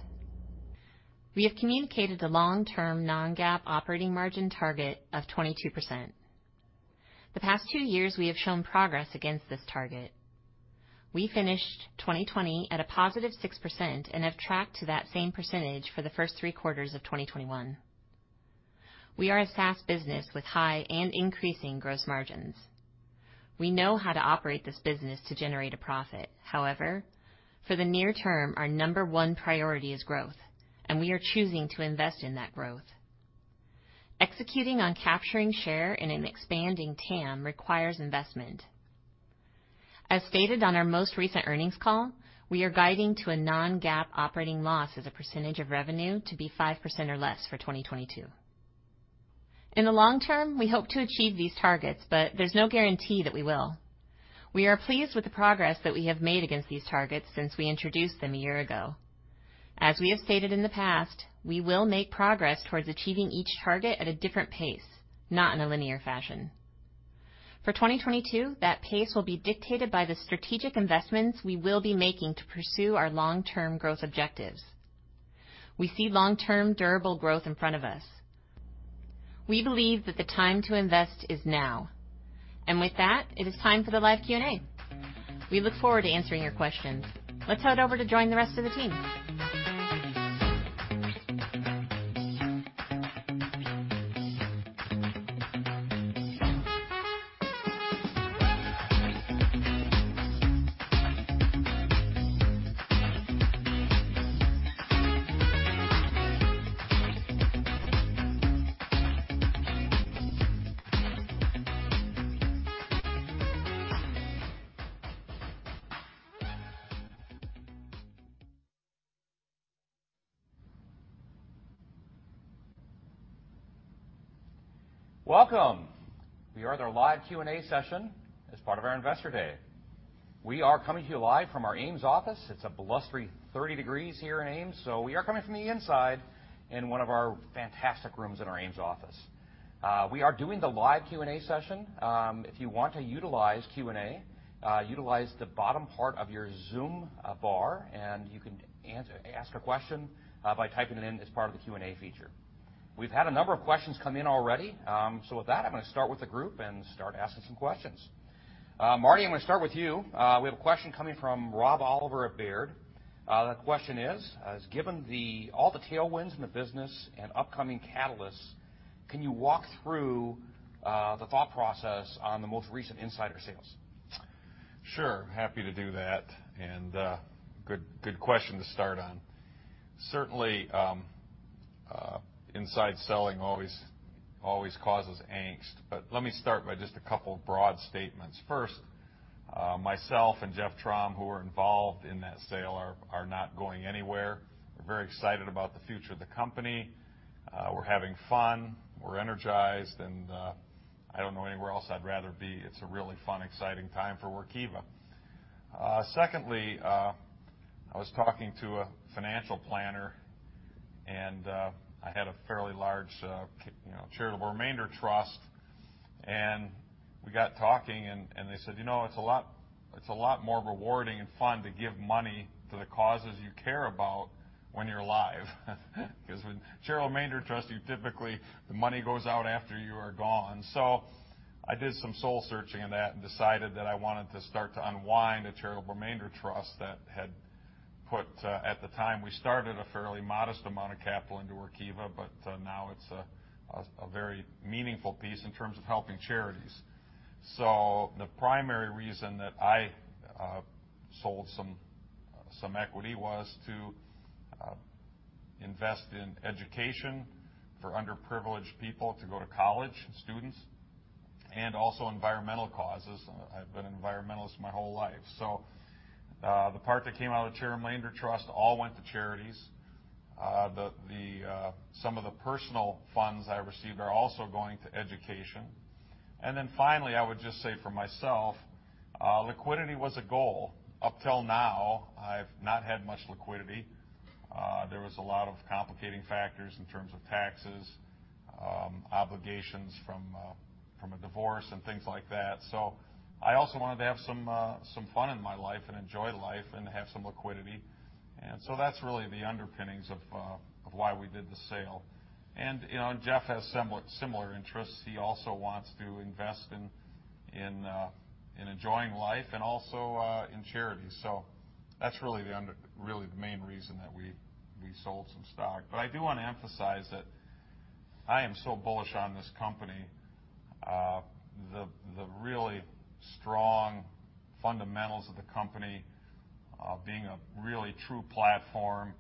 S4: We have communicated a long-term non-GAAP operating margin target of 22%. The past two years, we have shown progress against this target. We finished 2020 at a positive 6% and have tracked to that same percentage for the first three quarters of 2021. We are a SaaS business with high and increasing gross margins. We know how to operate this business to generate a profit. However, for the near term, our number one priority is growth, and we are choosing to invest in that growth. Executing on capturing share in an expanding TAM requires investment. As stated on our most recent earnings call, we are guiding to a non-GAAP operating loss as a percentage of revenue to be 5% or less for 2022. In the long term, we hope to achieve these targets, but there's no guarantee that we will. We are pleased with the progress that we have made against these targets since we introduced them a year ago. As we have stated in the past, we will make progress towards achieving each target at a different pace, not in a linear fashion. For 2022, that pace will be dictated by the strategic investments we will be making to pursue our long-term growth objectives. We see long-term durable growth in front of us. We believe that the time to invest is now. And with that, it is time for the live Q&A. We look forward to answering your questions. Let's head over to join the rest of the team. Welcome.
S1: We are at our live Q&A session as part of our Investor Day. We are coming to you live from our Ames office. It's a blustery 30 degrees here in Ames, so we are coming from the inside in one of our fantastic rooms in our Ames office. We are doing the live Q&A session. If you want to utilize Q&A, utilize the bottom part of your Zoom bar, and you can ask a question by typing it in as part of the Q&A feature. We've had a number of questions come in already. So with that, I'm going to start with the group and start asking some questions. Marty, I'm going to start with you. We have a question coming from Rob Oliver at Baird. The question is, "Assuming all the tailwinds in the business and upcoming catalysts, can you walk through the thought process on the most recent insider sales?"
S2: Sure. Happy to do that, and good question to start on. Certainly, insider selling always causes angst, but let me start by just a couple of broad statements. First, myself and Jeff Trom, who are involved in that sale, are not going anywhere. We're very excited about the future of the company. We're having fun. We're energized. And I don't know anywhere else I'd rather be. It's a really fun, exciting time for Workiva. Secondly, I was talking to a financial planner, and I had a fairly large charitable remainder trust. And we got talking, and they said, "It's a lot more rewarding and fun to give money to the causes you care about when you're alive." Because with charitable remainder trusts, typically, the money goes out after you are gone. So I did some soul searching in that and decided that I wanted to start to unwind a charitable remainder trust that had put, at the time we started, a fairly modest amount of capital into Workiva, but now it's a very meaningful piece in terms of helping charities. So the primary reason that I sold some equity was to invest in education for underprivileged people to go to college, students, and also environmental causes. I've been an environmentalist my whole life. So the part that came out of the charitable remainder trust all went to charities. Some of the personal funds I received are also going to education. And then finally, I would just say for myself, liquidity was a goal. Up till now, I've not had much liquidity. There was a lot of complicating factors in terms of taxes, obligations from a divorce, and things like that. So I also wanted to have some fun in my life and enjoy life and have some liquidity. And so that's really the underpinnings of why we did the sale. And Jeff has similar interests. He also wants to invest in enjoying life and also in charity. So that's really the main reason that we sold some stock. But I do want to emphasize that I am so bullish on this company. The really strong fundamentals of the company being a really true platform,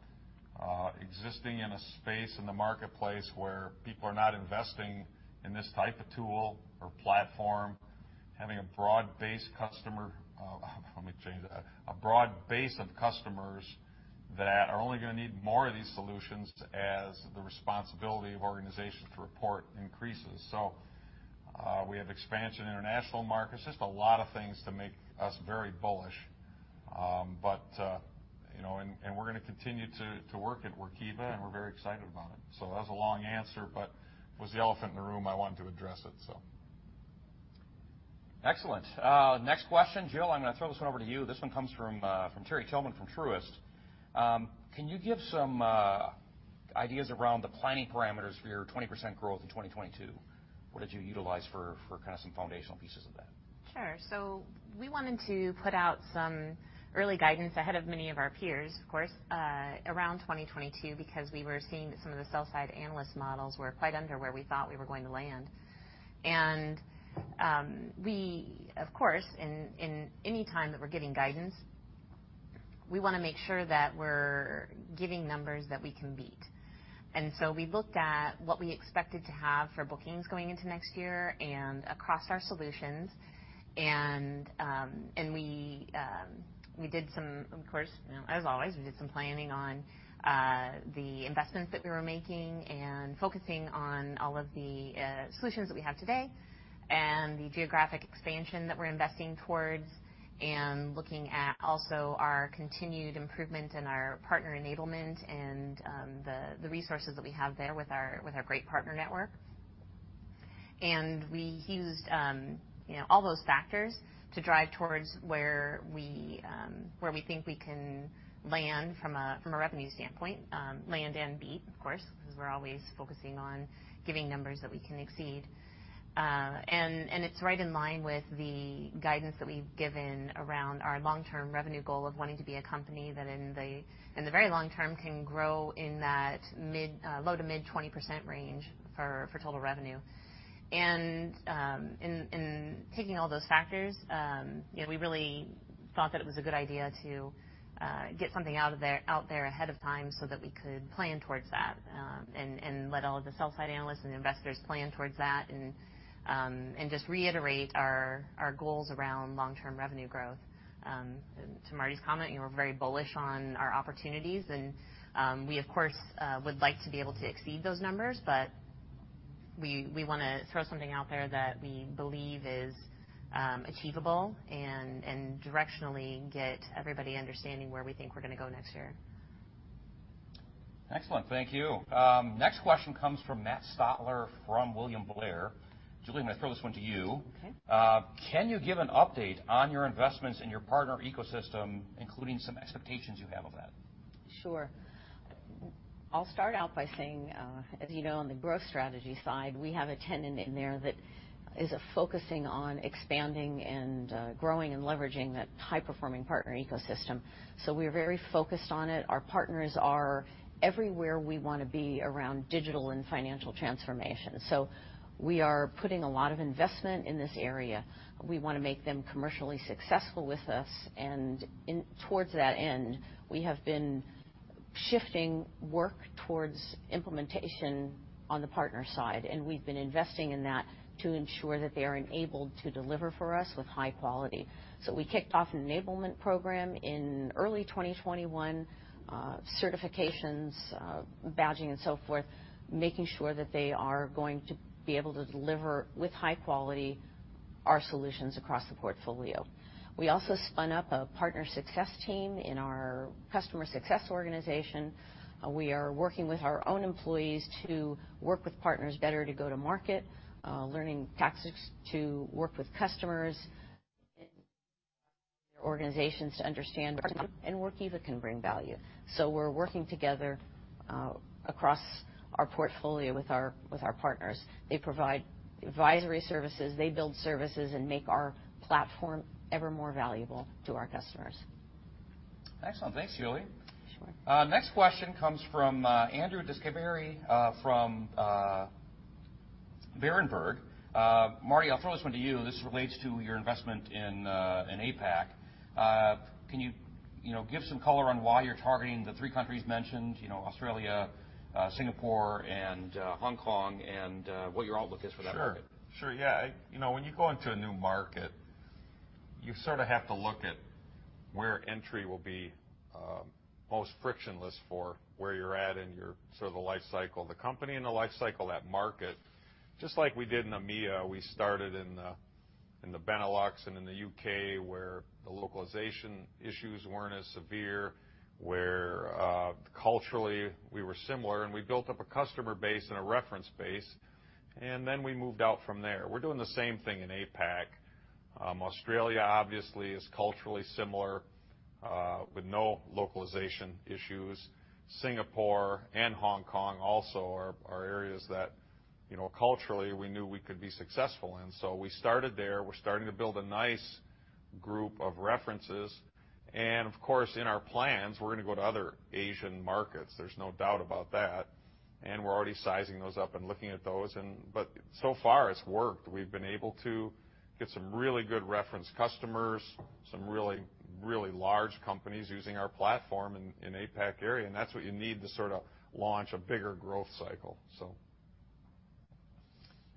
S2: existing in a space in the marketplace where people are not investing in this type of tool or platform, having a broad base customer, let me change that, a broad base of customers that are only going to need more of these solutions as the responsibility of organizations to report increases. So we have expansion in international markets. Just a lot of things to make us very bullish. But we're going to continue to work at Workiva, and we're very excited about it. So that was a long answer, but it was the elephant in the room I wanted to address it, so.
S1: Excellent. Next question, Jill. I'm going to throw this one over to you. This one comes from Terry Tillman from Truist. Can you give some ideas around the planning parameters for your 20% growth in 2022? What did you utilize for kind of some foundational pieces of that?
S4: Sure. So we wanted to put out some early guidance ahead of many of our peers, of course, around 2022 because we were seeing that some of the sell-side analyst models were quite under where we thought we were going to land. And we, of course, in any time that we're giving guidance, we want to make sure that we're giving numbers that we can beat. And so we looked at what we expected to have for bookings going into next year and across our solutions. Of course, as always, we did some planning on the investments that we were making and focusing on all of the solutions that we have today and the geographic expansion that we're investing towards and looking at also our continued improvement and our partner enablement and the resources that we have there with our great partner network. We used all those factors to drive towards where we think we can land from a revenue standpoint, land and beat, of course, because we're always focusing on giving numbers that we can exceed. It's right in line with the guidance that we've given around our long-term revenue goal of wanting to be a company that in the very long term can grow in that low to mid 20% range for total revenue. In taking all those factors, we really thought that it was a good idea to get something out there ahead of time so that we could plan towards that and let all of the sell-side analysts and investors plan towards that and just reiterate our goals around long-term revenue growth. To Marty's comment, we're very bullish on our opportunities. We, of course, would like to be able to exceed those numbers, but we want to throw something out there that we believe is achievable and directionally get everybody understanding where we think we're going to go next year.
S1: Excellent. Thank you. Next question comes from Matt Stotler from William Blair. Julie, I'm going to throw this one to you. Can you give an update on your investments in your partner ecosystem, including some expectations you have of that?
S3: Sure. I'll start out by saying, as you know, on the growth strategy side, we have a tenet in there that is focusing on expanding and growing and leveraging that high-performing partner ecosystem. So we are very focused on it. Our partners are everywhere we want to be around digital and financial transformation. So we are putting a lot of investment in this area. We want to make them commercially successful with us. And towards that end, we have been shifting work towards implementation on the partner side. And we've been investing in that to ensure that they are enabled to deliver for us with high quality. So we kicked off an enablement program in early 2021, certifications, badging, and so forth, making sure that they are going to be able to deliver with high quality our solutions across the portfolio. We also spun up a Partner Success team in our Customer Success organization. We are working with our own employees to work with partners better to go to market, learning tactics to work with customers, their organizations to understand and Workiva can bring value, so we're working together across our portfolio with our partners. They provide advisory services. They build services and make our platform ever more valuable to our customers.
S1: Excellent. Thanks, Julie. Next question comes from Andrew DeGasperi from Berenberg. Marty, I'll throw this one to you. This relates to your investment in APAC. Can you give some color on why you're targeting the three countries mentioned, Australia, Singapore, and Hong Kong, and what your outlook is for that market?
S2: Sure. Sure. Yeah. When you go into a new market, you sort of have to look at where entry will be most frictionless for where you're at and sort of the life cycle of the company and the life cycle of that market. Just like we did in EMEA, we started in the Benelux and in the U.K. where the localization issues weren't as severe, where culturally we were similar, and we built up a customer base and a reference base, and then we moved out from there. We're doing the same thing in APAC. Australia, obviously, is culturally similar with no localization issues. Singapore and Hong Kong also are areas that culturally we knew we could be successful in. So we started there. We're starting to build a nice group of references. And of course, in our plans, we're going to go to other Asian markets. There's no doubt about that. We're already sizing those up and looking at those. But so far, it's worked. We've been able to get some really good reference customers, some really, really large companies using our platform in the APAC area. That's what you need to sort of launch a bigger growth cycle, so.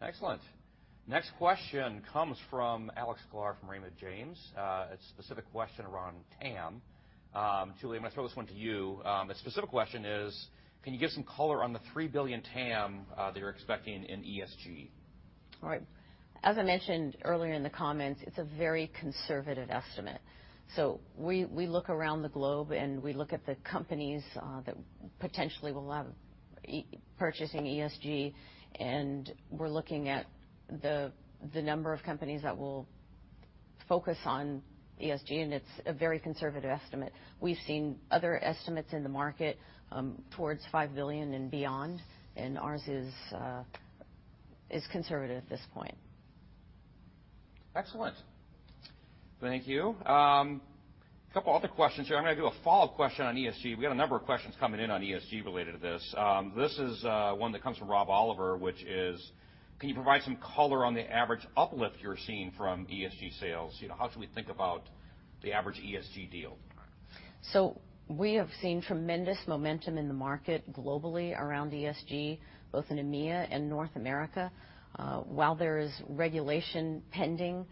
S1: Excellent. Next question comes from Alex Sklar from Raymond James. It's a specific question around TAM. Julie, I'm going to throw this one to you. The specific question is, can you give some color on the $3 billion TAM that you're expecting in ESG?
S3: All right. As I mentioned earlier in the comments, it's a very conservative estimate. We look around the globe, and we look at the companies that potentially will have purchasing ESG. We're looking at the number of companies that will focus on ESG, and it's a very conservative estimate. We've seen other estimates in the market towards five billion and beyond, and ours is conservative at this point.
S1: Excellent. Thank you. A couple of other questions here. I'm going to do a follow-up question on ESG. We got a number of questions coming in on ESG related to this. This is one that comes from Rob Oliver, which is, can you provide some color on the average uplift you're seeing from ESG sales? How should we think about the average ESG deal?
S3: So we have seen tremendous momentum in the market globally around ESG, both in EMEA and North America. While there is regulation pending,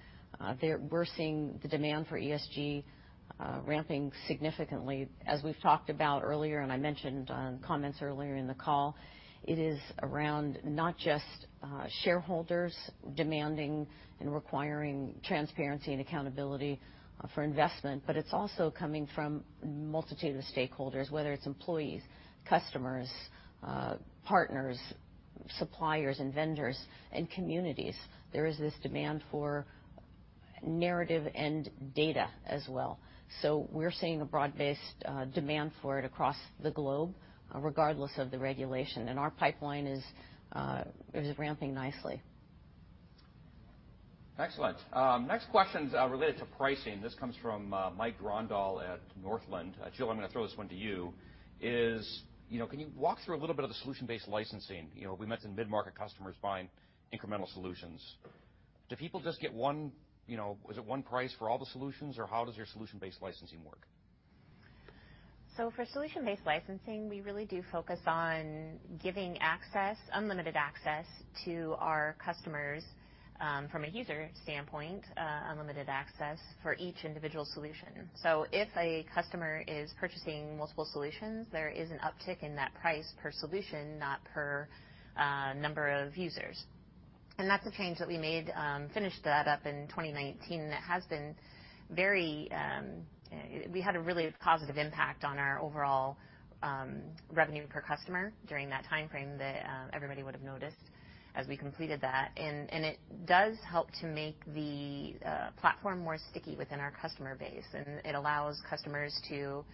S3: we're seeing the demand for ESG ramping significantly. As we've talked about earlier, and I mentioned comments earlier in the call, it is around not just shareholders demanding and requiring transparency and accountability for investment, but it's also coming from a multitude of stakeholders, whether it's employees, customers, partners, suppliers, and vendors, and communities. There is this demand for narrative and data as well. So we're seeing a broad-based demand for it across the globe, regardless of the regulation. And our pipeline is ramping nicely.
S1: Excellent. Next question is related to pricing. This comes from Mike Grondahl at Northland Capital Markets. Jill, I'm going to throw this one to you. Can you walk through a little bit of the solution-based licensing? We mentioned mid-market customers buying incremental solutions. Do people just get one—was it one price for all the solutions, or how does your solution-based licensing work?
S4: For solution-based licensing, we really do focus on giving unlimited access to our customers from a user standpoint, unlimited access for each individual solution. If a customer is purchasing multiple solutions, there is an uptick in that price per solution, not per number of users. That's a change that we made, finished that up in 2019. It has been. We had a really positive impact on our overall revenue per customer during that timeframe that everybody would have noticed as we completed that. It does help to make the platform more sticky within our customer base. It allows customers to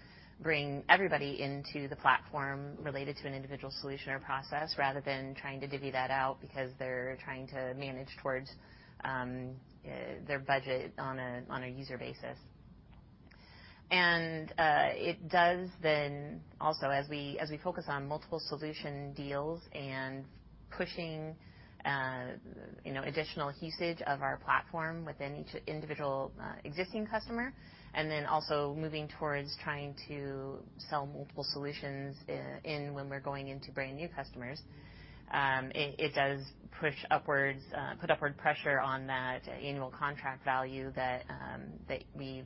S4: bring everybody into the platform related to an individual solution or process rather than trying to divvy that out because they're trying to manage towards their budget on a user basis. And it does then also, as we focus on multiple solution deals and pushing additional usage of our platform within each individual existing customer, and then also moving towards trying to sell multiple solutions in when we're going into brand new customers, it does put upward pressure on that annual contract value that we've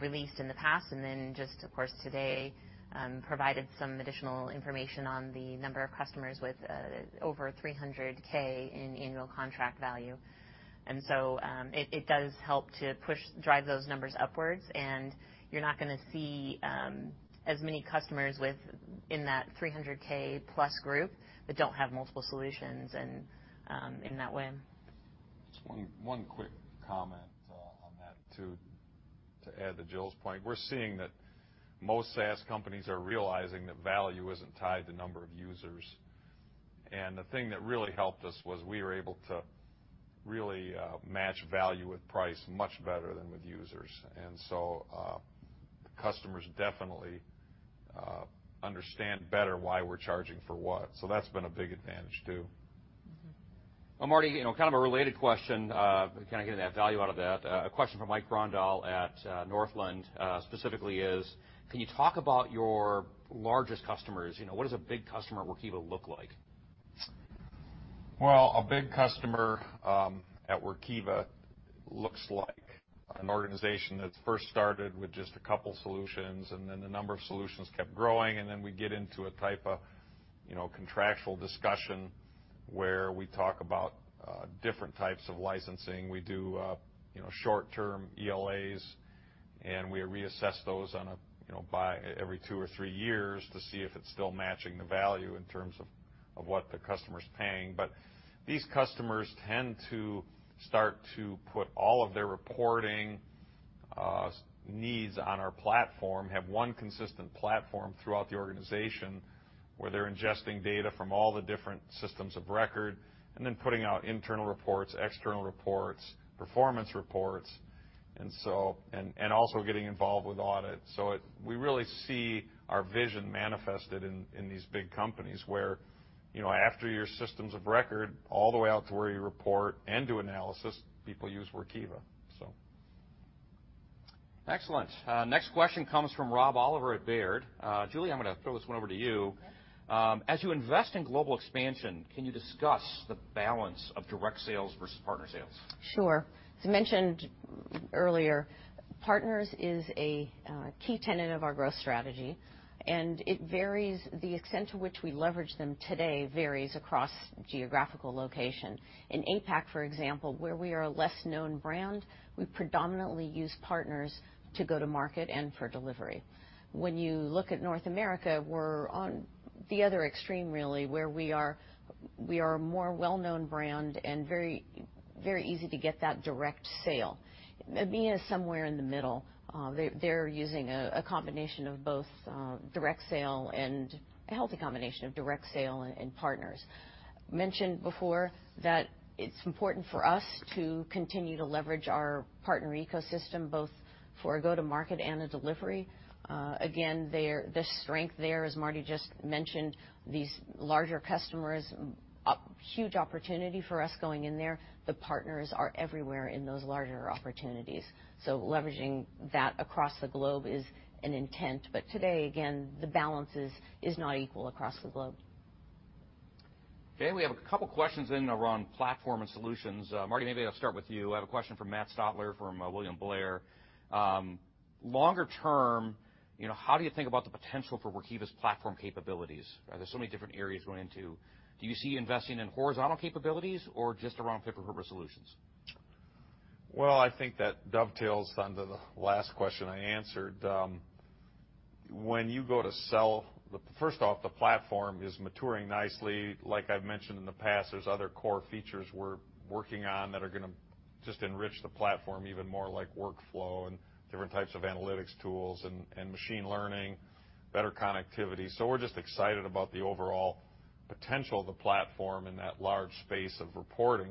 S4: released in the past. And then just, of course, today, provided some additional information on the number of customers with over $300,000 in annual contract value. And so it does help to drive those numbers upwards. And you're not going to see as many customers in that 300,000 plus group that don't have multiple solutions in that way.
S2: Just one quick comment on that to add to Jill's point. We're seeing that most SaaS companies are realizing that value isn't tied to number of users. The thing that really helped us was we were able to really match value with price much better than with users. Customers definitely understand better why we're charging for what. That's been a big advantage too.
S1: Marty, kind of a related question, kind of getting that value out of that. A question from Mike Grondahl at Northland specifically is, can you talk about your largest customers? What does a big customer at Workiva look like?
S2: A big customer at Workiva looks like an organization that first started with just a couple of solutions, and then the number of solutions kept growing, and then we get into a type of contractual discussion where we talk about different types of licensing. We do short-term ELAs, and we reassess those every two or three years to see if it's still matching the value in terms of what the customer's paying, but these customers tend to start to put all of their reporting needs on our platform, have one consistent platform throughout the organization where they're ingesting data from all the different systems of record, and then putting out internal reports, external reports, performance reports, and also getting involved with audit, so we really see our vision manifested in these big companies where after your systems of record, all the way out to where you report and do analysis, people use Workiva, so.
S1: Excellent. Next question comes from Rob Oliver at Baird. Julie, I'm going to throw this one over to you. As you invest in global expansion, can you discuss the balance of direct sales versus partner sales?
S3: Sure. As mentioned earlier, partners is a key tenet of our growth strategy. The extent to which we leverage them today varies across geographical location. In APAC, for example, where we are a less known brand, we predominantly use partners to go to market and for delivery. When you look at North America, we're on the other extreme, really, where we are a more well-known brand and very easy to get that direct sale. EMEA is somewhere in the middle. They're using a combination of both direct sale and a healthy combination of direct sale and partners. Mentioned before that it's important for us to continue to leverage our partner ecosystem, both for a go-to-market and a delivery. Again, the strength there, as Marty just mentioned, these larger customers, huge opportunity for us going in there. The partners are everywhere in those larger opportunities. So leveraging that across the globe is an intent. But today, again, the balance is not equal across the globe.
S1: Okay. We have a couple of questions in around platform and solutions. Marty, maybe I'll start with you. I have a question from Matt Stotler from William Blair. Longer term, how do you think about the potential for Workiva's platform capabilities? There's so many different areas going into. Do you see investing in horizontal capabilities or just around fit-for-purpose solutions?
S2: Well, I think that dovetails onto the last question I answered. When you go to sell, first off, the platform is maturing nicely. Like I've mentioned in the past, there's other core features we're working on that are going to just enrich the platform even more, like workflow and different types of analytics tools and machine learning, better connectivity. So we're just excited about the overall potential of the platform in that large space of reporting.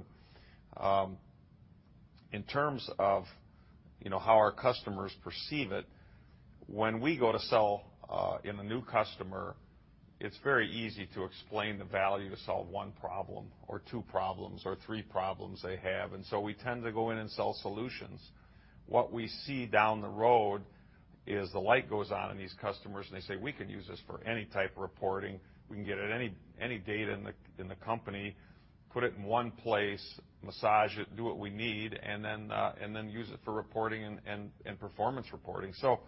S2: In terms of how our customers perceive it, when we go to sell in a new customer, it's very easy to explain the value to solve one problem or two problems or three problems they have. And so we tend to go in and sell solutions. What we see down the road is the light goes on in these customers, and they say, "We can use this for any type of reporting. We can get any data in the company, put it in one place, massage it, do what we need, and then use it for reporting and performance reporting." So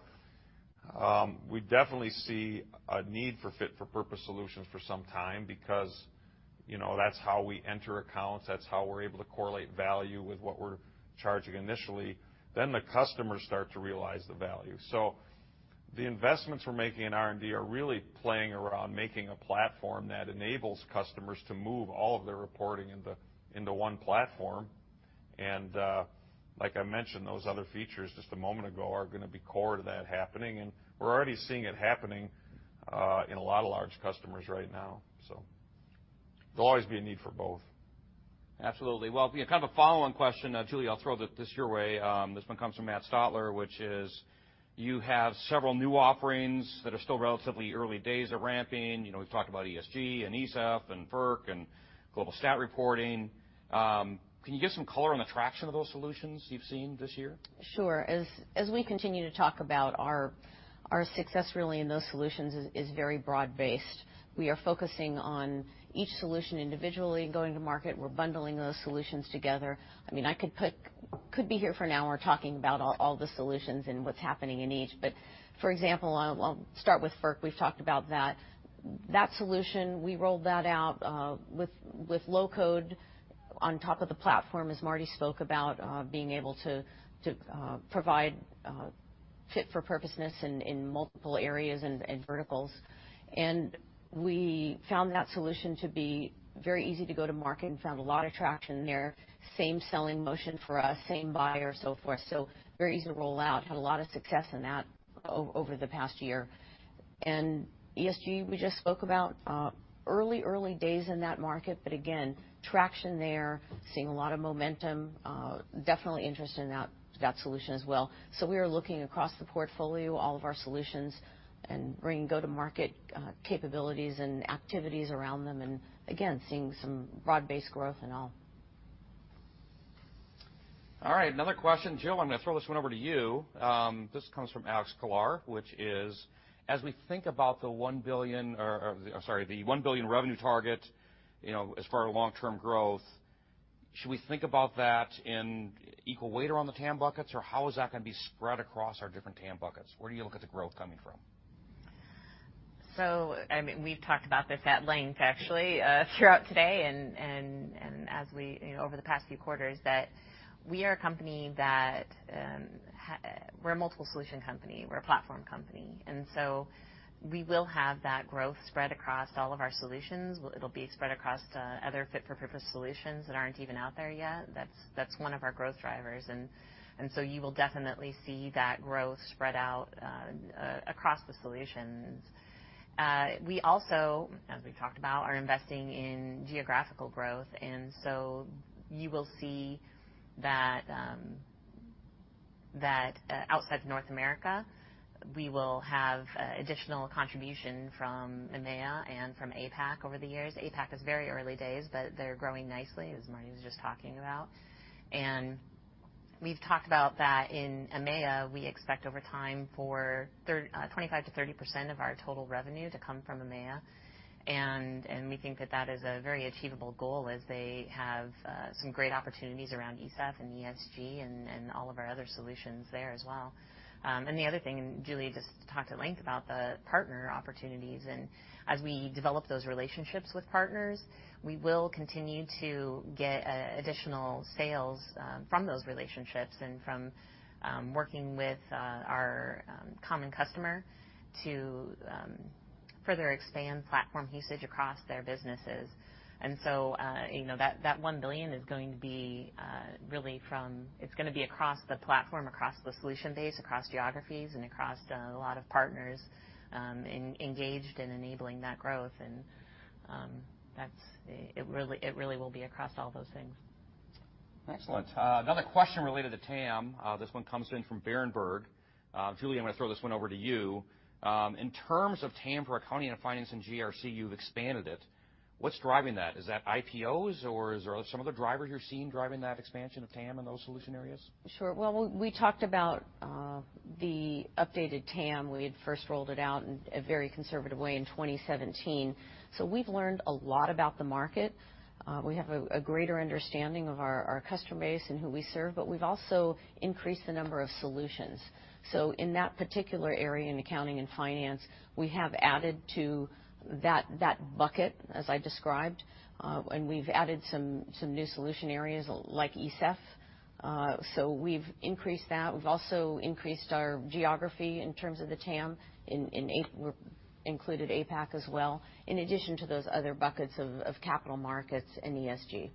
S2: we definitely see a need for fit-for-purpose solutions for some time because that's how we enter accounts. That's how we're able to correlate value with what we're charging initially. Then the customers start to realize the value. So the investments we're making in R&D are really playing around making a platform that enables customers to move all of their reporting into one platform. And like I mentioned, those other features just a moment ago are going to be core to that happening. And we're already seeing it happening in a lot of large customers right now. So there'll always be a need for both.
S1: Absolutely. Well, kind of a follow-on question, Julie. I'll throw this your way. This one comes from Matt Stotler, which is, you have several new offerings that are still relatively early days of ramping. We've talked about ESG and ESEF and FERC and Global Statutory Reporting. Can you give some color on the traction of those solutions you've seen this year?
S3: Sure. As we continue to talk about our success really in those solutions is very broad-based. We are focusing on each solution individually and going to market. We're bundling those solutions together. I mean, I could be here for an hour talking about all the solutions and what's happening in each. But for example, I'll start with FERC. We've talked about that. That solution, we rolled that out with low-code on top of the platform, as Marty spoke about, being able to provide fit-for-purpose in multiple areas and verticals. And we found that solution to be very easy to go to market and found a lot of traction there. Same selling motion for us, same buyer, so forth. So very easy to roll out, had a lot of success in that over the past year. And ESG, we just spoke about, early, early days in that market. But again, traction there, seeing a lot of momentum, definitely interest in that solution as well. So we are looking across the portfolio, all of our solutions, and bringing go-to-market capabilities and activities around them, and again, seeing some broad-based growth and all.
S1: All right. Another question. Jill, I'm going to throw this one over to you. This comes from Alex Sklar, which is, as we think about the $1 billion or sorry, the $1 billion revenue target as far as long-term growth, should we think about that in equal weight around the TAM buckets, or how is that going to be spread across our different TAM buckets? Where do you look at the growth coming from?
S4: So I mean, we've talked about this at length, actually, throughout today and over the past few quarters that we are a company that we're a multiple solution company. We're a platform company. We will have that growth spread across all of our solutions. It will be spread across other fit-for-purpose solutions that aren't even out there yet. That is one of our growth drivers. You will definitely see that growth spread out across the solutions. We also, as we have talked about, are investing in geographical growth. You will see that outside of North America. We will have additional contribution from EMEA and from APAC over the years. APAC is very early days, but they are growing nicely, as Marty was just talking about. We have talked about that in EMEA. We expect over time for 25%-30% of our total revenue to come from EMEA. We think that that is a very achievable goal as they have some great opportunities around ESEF and ESG and all of our other solutions there as well. And the other thing, and Julie just talked at length about the partner opportunities. And as we develop those relationships with partners, we will continue to get additional sales from those relationships and from working with our common customer to further expand platform usage across their businesses. And so that $1 billion is going to be really from it's going to be across the platform, across the solution base, across geographies, and across a lot of partners engaged in enabling that growth. And it really will be across all those things.
S1: Excellent. Another question related to TAM. This one comes in from Berenberg. Julie, I'm going to throw this one over to you. In terms of TAM for accounting and finance and GRC, you've expanded it. What's driving that? Is that IPOs, or are there some other drivers you're seeing driving that expansion of TAM in those solution areas?
S3: Sure. We talked about the updated TAM. We had first rolled it out in a very conservative way in 2017, so we've learned a lot about the market. We have a greater understanding of our customer base and who we serve, but we've also increased the number of solutions, so in that particular area in accounting and finance, we have added to that bucket, as I described, and we've added some new solution areas like ESEF, so we've increased that. We've also increased our geography in terms of the TAM. We've included APAC as well, in addition to those other buckets of capital markets and ESG.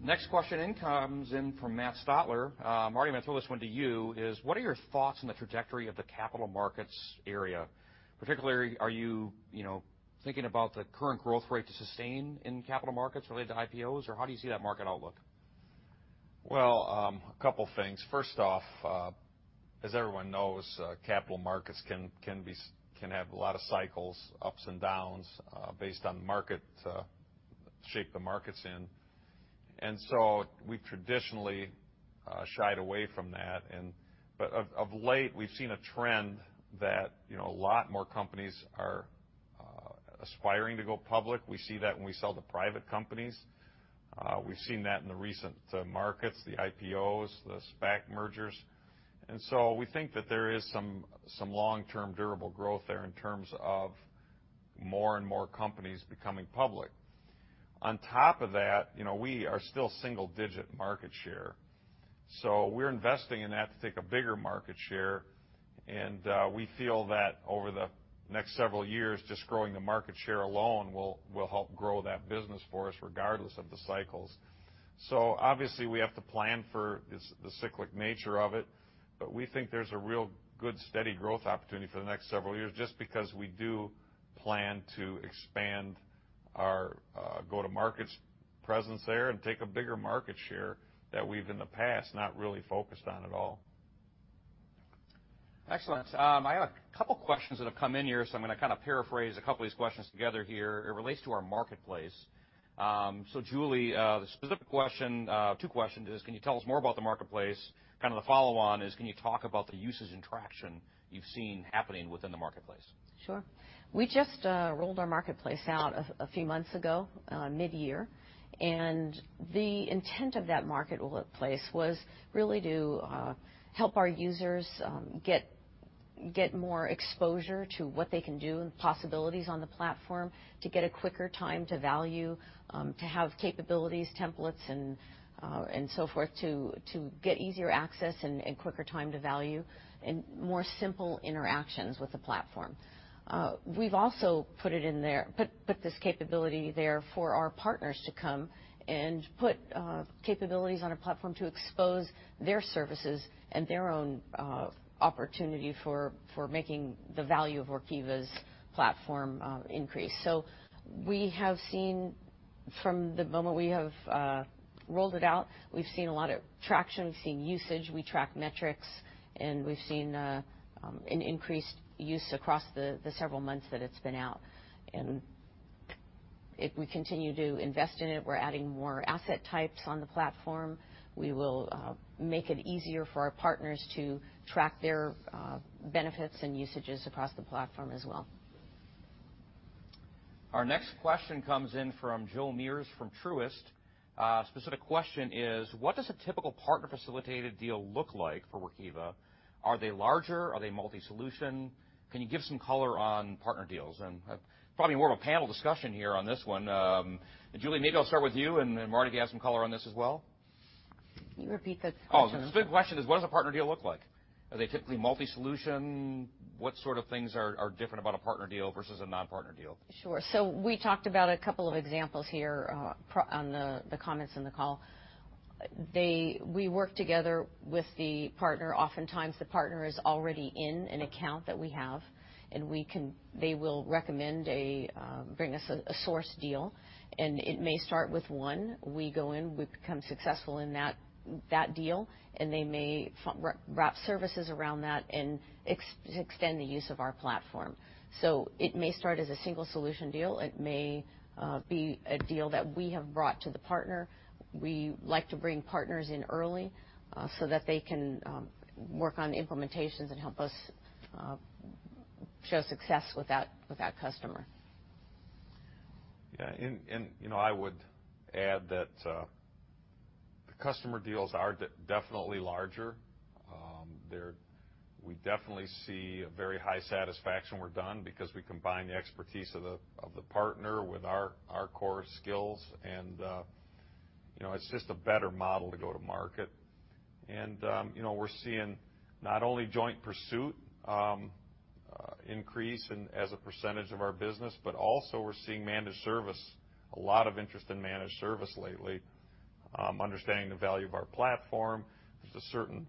S1: Next question comes in from Matt Stotler. Marty, I'm going to throw this one to you. What are your thoughts on the trajectory of the capital markets area? Particularly, are you thinking about the current growth rate to sustain in capital markets related to IPOs, or how do you see that market outlook?
S2: Well, a couple of things. First off, as everyone knows, capital markets can have a lot of cycles, ups and downs, based on the shape of the markets. And so we've traditionally shied away from that. But of late, we've seen a trend that a lot more companies are aspiring to go public. We see that when we sell to private companies. We've seen that in the recent markets, the IPOs, the SPAC mergers. And so we think that there is some long-term durable growth there in terms of more and more companies becoming public. On top of that, we are still single-digit market share. So we're investing in that to take a bigger market share. And we feel that over the next several years, just growing the market share alone will help grow that business for us regardless of the cycles. So obviously, we have to plan for the cyclic nature of it. But we think there's a real good steady growth opportunity for the next several years just because we do plan to expand our go-to-markets presence there and take a bigger market share that we've in the past not really focused on at all.
S1: Excellent. I have a couple of questions that have come in here, so I'm going to kind of paraphrase a couple of these questions together here. It relates to our marketplace. So Julie, the specific question, two questions is, can you tell us more about the marketplace? Kind of the follow-on is, can you talk about the usage and traction you've seen happening within the marketplace?
S3: Sure. We just rolled our marketplace out a few months ago, mid-year, and the intent of that marketplace was really to help our users get more exposure to what they can do and the possibilities on the platform to get a quicker time to value, to have capabilities, templates, and so forth, to get easier access and quicker time to value and more simple interactions with the platform. We've also put this capability there for our partners to come and put capabilities on a platform to expose their services and their own opportunity for making the value of Workiva's platform increase, so we have seen from the moment we have rolled it out, we've seen a lot of traction. We've seen usage. We track metrics, and we've seen an increased use across the several months that it's been out. If we continue to invest in it, we're adding more asset types on the platform. We will make it easier for our partners to track their benefits and usages across the platform as well.
S1: Our next question comes in from Joel Fishbein from Truist. A specific question is, what does a typical partner-facilitated deal look like for Workiva? Are they larger? Are they multi-solution? Can you give some color on partner deals? And it's probably more of a panel discussion here on this one. Julie, maybe I'll start with you, and Marty, if you have some color on this as well.
S3: Can you repeat the question?
S1: Oh, so the big question is, what does a partner deal look like? Are they typically multi-solution? What sort of things are different about a partner deal versus a non-partner deal?
S3: Sure. We talked about a couple of examples here on the comments in the call. We work together with the partner. Oftentimes, the partner is already in an account that we have, and they will recommend and bring us a sourced deal. And it may start with one. We go in, we become successful in that deal, and they may wrap services around that and extend the use of our platform. So it may start as a single-solution deal. It may be a deal that we have brought to the partner. We like to bring partners in early so that they can work on implementations and help us show success with that customer.
S2: Yeah. And I would add that the partner deals are definitely larger. We definitely see a very high satisfaction when we're done because we combine the expertise of the partner with our core skills. It's just a better model to go to market. We're seeing not only joint pursuit increase as a percentage of our business, but also we're seeing managed service, a lot of interest in managed service lately, understanding the value of our platform. There's a certain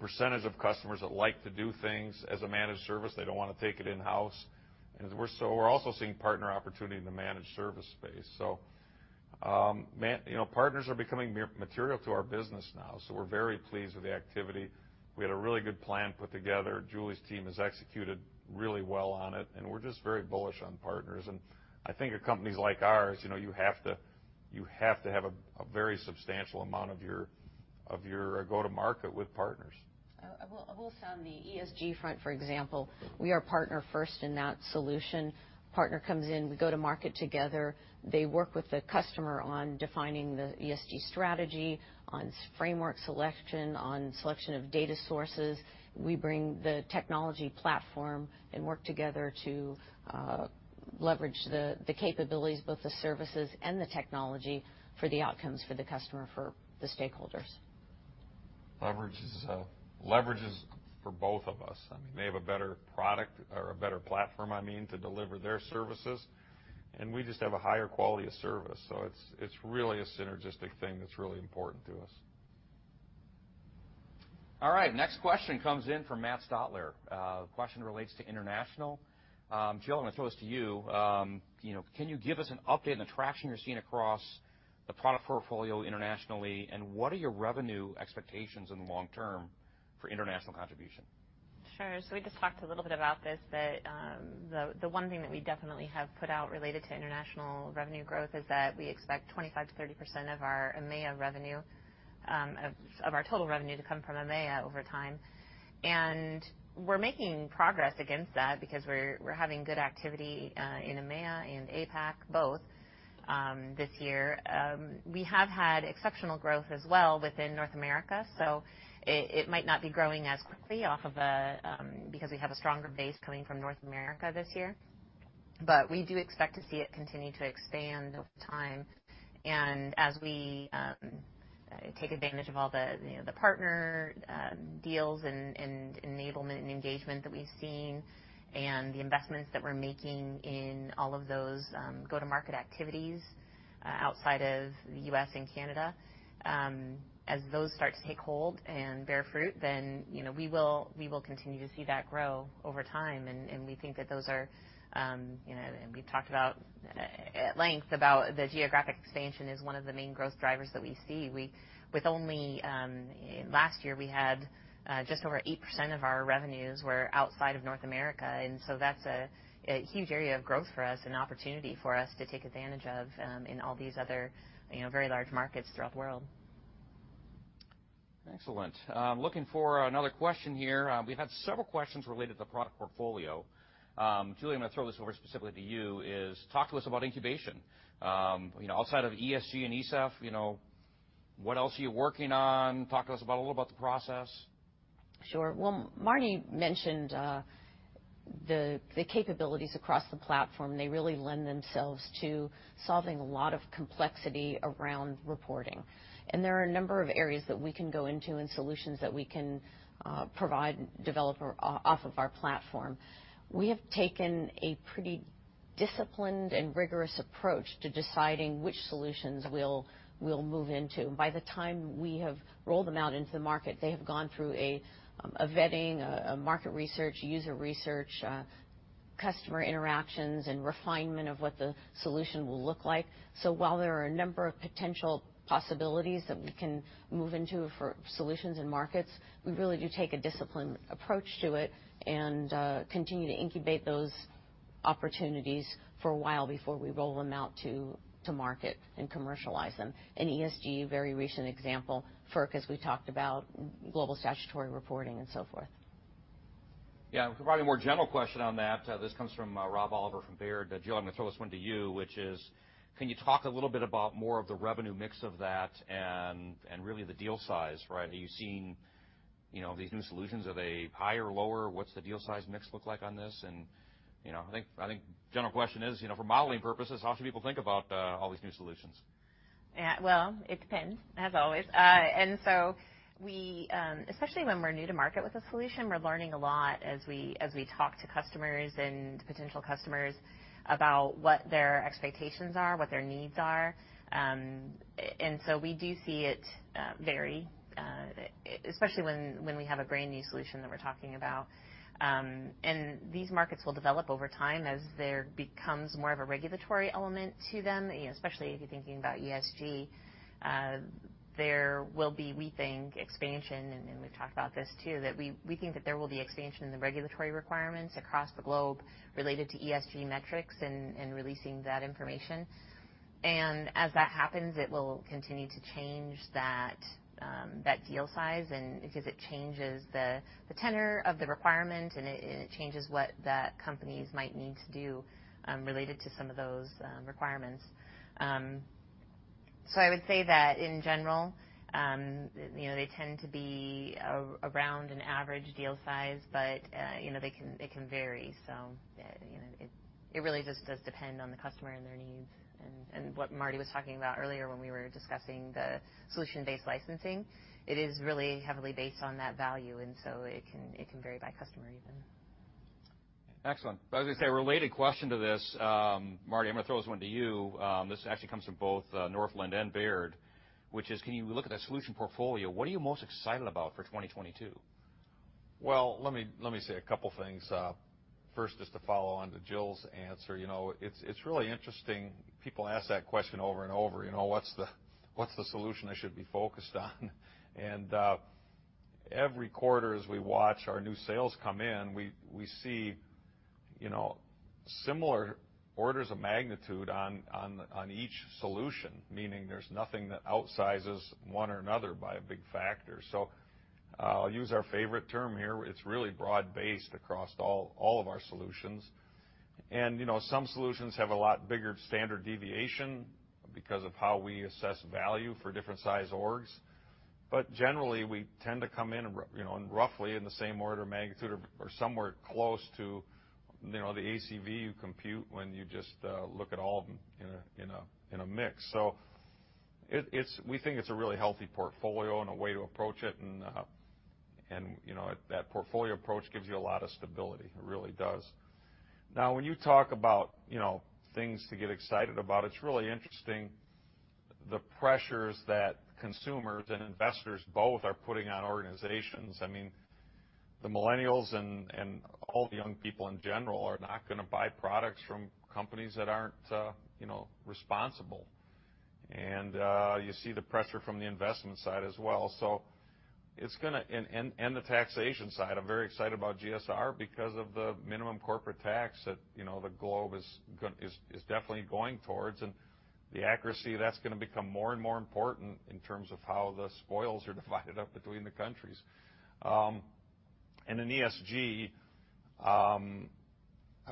S2: percentage of customers that like to do things as a managed service. They don't want to take it in-house. We're also seeing partner opportunity in the managed service space. So partners are becoming material to our business now. We're very pleased with the activity. We had a really good plan put together. Julie's team has executed really well on it. We're just very bullish on partners. I think at companies like ours, you have to have a very substantial amount of your go-to-market with partners.
S3: On the ESG front, for example. We are partner-first in that solution. Partner comes in, we go to market together. They work with the customer on defining the ESG strategy, on framework selection, on selection of data sources. We bring the technology platform and work together to leverage the capabilities, both the services and the technology for the outcomes for the customer, for the stakeholders.
S2: Leverages for both of us. I mean, they have a better product or a better platform, I mean, to deliver their services. And we just have a higher quality of service. So it's really a synergistic thing that's really important to us.
S1: All right. Next question comes in from Matt Stotler. The question relates to international. Jill, I'm going to throw this to you. Can you give us an update on the traction you're seeing across the product portfolio internationally, and what are your revenue expectations in the long term for international contribution?
S4: Sure. So we just talked a little bit about this, but the one thing that we definitely have put out related to international revenue growth is that we expect 25%-30% of our EMEA revenue, of our total revenue to come from EMEA over time. And we're making progress against that because we're having good activity in EMEA and APAC, both this year. We have had exceptional growth as well within North America. So it might not be growing as quickly off of a base because we have a stronger base coming from North America this year. But we do expect to see it continue to expand over time. And as we take advantage of all the partner deals and enablement and engagement that we've seen and the investments that we're making in all of those go-to-market activities outside of the U.S. and Canada, as those start to take hold and bear fruit, then we will continue to see that grow over time. And we think that those are and we've talked about at length about the geographic expansion as one of the main growth drivers that we see. With only last year, we had just over 8% of our revenues were outside of North America. And so that's a huge area of growth for us and opportunity for us to take advantage of in all these other very large markets throughout the world.
S1: Excellent. Looking for another question here. We've had several questions related to the product portfolio. Julie, I'm going to throw this over specifically to you. Talk to us about incubation. Outside of ESG and ESEF, what else are you working on? Talk to us a little about the process.
S3: Sure, well, Marty mentioned the capabilities across the platform. They really lend themselves to solving a lot of complexity around reporting. And there are a number of areas that we can go into and solutions that we can provide, develop off of our platform. We have taken a pretty disciplined and rigorous approach to deciding which solutions we'll move into. By the time we have rolled them out into the market, they have gone through a vetting, a market research, user research, customer interactions, and refinement of what the solution will look like. While there are a number of potential possibilities that we can move into for solutions and markets, we really do take a disciplined approach to it and continue to incubate those opportunities for a while before we roll them out to market and commercialize them. ESG, very recent example, FERC, as we talked about, Global Statutory Reporting, and so forth.
S1: Yeah. We'll provide a more general question on that. This comes from Rob Oliver from Baird. Jill, I'm going to throw this one to you, which is, can you talk a little bit about more of the revenue mix of that and really the deal size, right? Are you seeing these new solutions? Are they higher or lower? What's the deal size mix look like on this? I think general question is, for modeling purposes, how should people think about all these new solutions?
S4: It depends, as always. And so we, especially when we're new to market with a solution, we're learning a lot as we talk to customers and potential customers about what their expectations are, what their needs are. And so we do see it vary, especially when we have a brand new solution that we're talking about. And these markets will develop over time as there becomes more of a regulatory element to them, especially if you're thinking about ESG. There will be, we think, expansion, and we've talked about this too, that we think that there will be expansion in the regulatory requirements across the globe related to ESG metrics and releasing that information. And as that happens, it will continue to change that deal size because it changes the tenor of the requirement, and it changes what that companies might need to do related to some of those requirements. So I would say that in general, they tend to be around an average deal size, but it can vary. So it really just does depend on the customer and their needs. And what Marty was talking about earlier when we were discussing the solution-based licensing, it is really heavily based on that value. And so it can vary by customer even.
S1: Excellent. I was going to say a related question to this. Marty, I'm going to throw this one to you. This actually comes from both Northland and Baird, which is, can you look at the solution portfolio? What are you most excited about for 2022?
S2: Well, let me say a couple of things. First, just to follow on to Jill's answer, it's really interesting. People ask that question over and over. What's the solution I should be focused on? And every quarter, as we watch our new sales come in, we see similar orders of magnitude on each solution, meaning there's nothing that outsizes one or another by a big factor. So I'll use our favorite term here. It's really broad-based across all of our solutions. And some solutions have a lot bigger standard deviation because of how we assess value for different size orgs. But generally, we tend to come in roughly in the same order of magnitude or somewhere close to the ACV you compute when you just look at all of them in a mix. So we think it's a really healthy portfolio and a way to approach it. And that portfolio approach gives you a lot of stability. It really does. Now, when you talk about things to get excited about, it's really interesting the pressures that consumers and investors both are putting on organizations. I mean, the millennials and all the young people in general are not going to buy products from companies that aren't responsible. And you see the pressure from the investment side as well. So it's going to and the taxation side. I'm very excited about GSR because of the minimum corporate tax that the globe is definitely going towards. And the accuracy, that's going to become more and more important in terms of how the spoils are divided up between the countries. And in ESG, I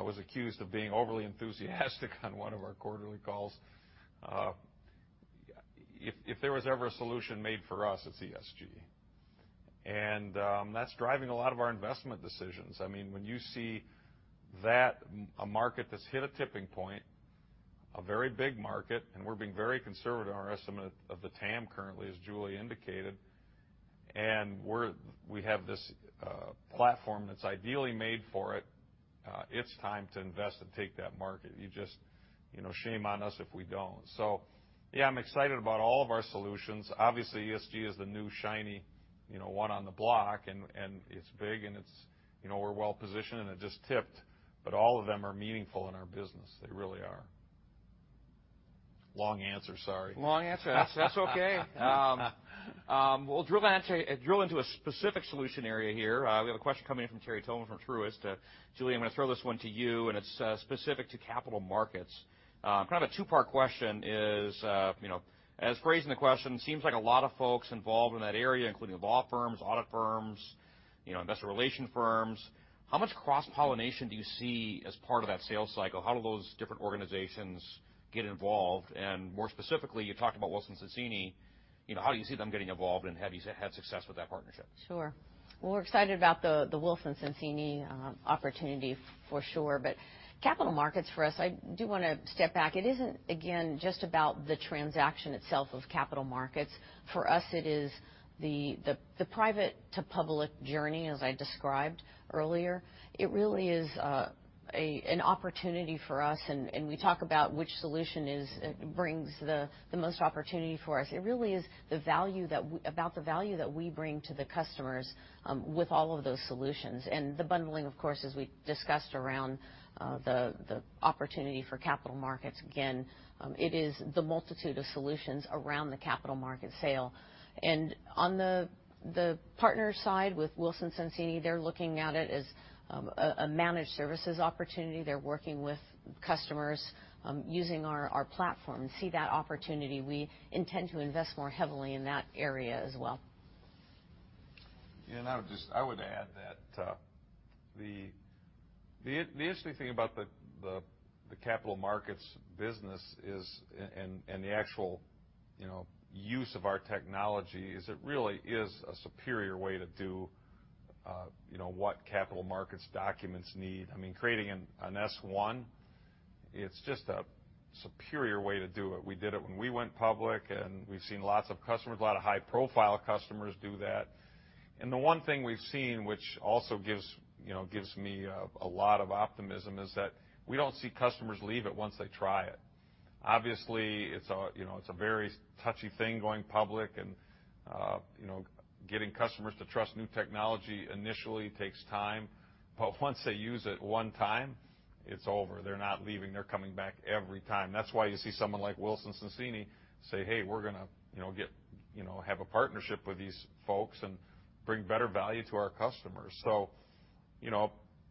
S2: was accused of being overly enthusiastic on one of our quarterly calls. If there was ever a solution made for us, it's ESG. That's driving a lot of our investment decisions. I mean, when you see that a market that's hit a tipping point, a very big market, and we're being very conservative in our estimate of the TAM currently, as Julie indicated, and we have this platform that's ideally made for it, it's time to invest and take that market. You just shame on us if we don't. So yeah, I'm excited about all of our solutions. Obviously, ESG is the new shiny one on the block, and it's big, and we're well positioned, and it just tipped. But all of them are meaningful in our business. They really are. Long answer, sorry.
S1: Long answer. That's okay. We'll drill into a specific solution area here. We have a question coming in from Terry Tillman from Truist. Julie, I'm going to throw this one to you, and it's specific to capital markets. Kind of a two-part question is, as phrased in the question, it seems like a lot of folks involved in that area, including law firms, audit firms, investor relation firms. How much cross-pollination do you see as part of that sales cycle? How do those different organizations get involved? and more specifically, you talked about Wilson Sonsini. How do you see them getting involved and have you had success with that partnership?
S3: Sure, well, we're excited about the Wilson Sonsini opportunity, for sure, but capital markets for us, I do want to step back. It isn't, again, just about the transaction itself of capital markets. For us, it is the private-to-public journey, as I described earlier. It really is an opportunity for us. and we talk about which solution brings the most opportunity for us. It really is about the value that we bring to the customers with all of those solutions. And the bundling, of course, as we discussed around the opportunity for capital markets. Again, it is the multitude of solutions around the capital market sale. And on the partner side with Wilson Sonsini, they're looking at it as a managed services opportunity. They're working with customers using our platform and see that opportunity. We intend to invest more heavily in that area as well.
S2: Yeah. And I would add that the interesting thing about the capital markets business and the actual use of our technology is it really is a superior way to do what capital markets documents need. I mean, creating an S-1, it's just a superior way to do it. We did it when we went public, and we've seen lots of customers, a lot of high-profile customers do that. The one thing we've seen, which also gives me a lot of optimism, is that we don't see customers leave it once they try it. Obviously, it's a very touchy thing going public, and getting customers to trust new technology initially takes time. But once they use it one time, it's over. They're not leaving. They're coming back every time. That's why you see someone like Wilson Sonsini say, "Hey, we're going to have a partnership with these folks and bring better value to our customers." So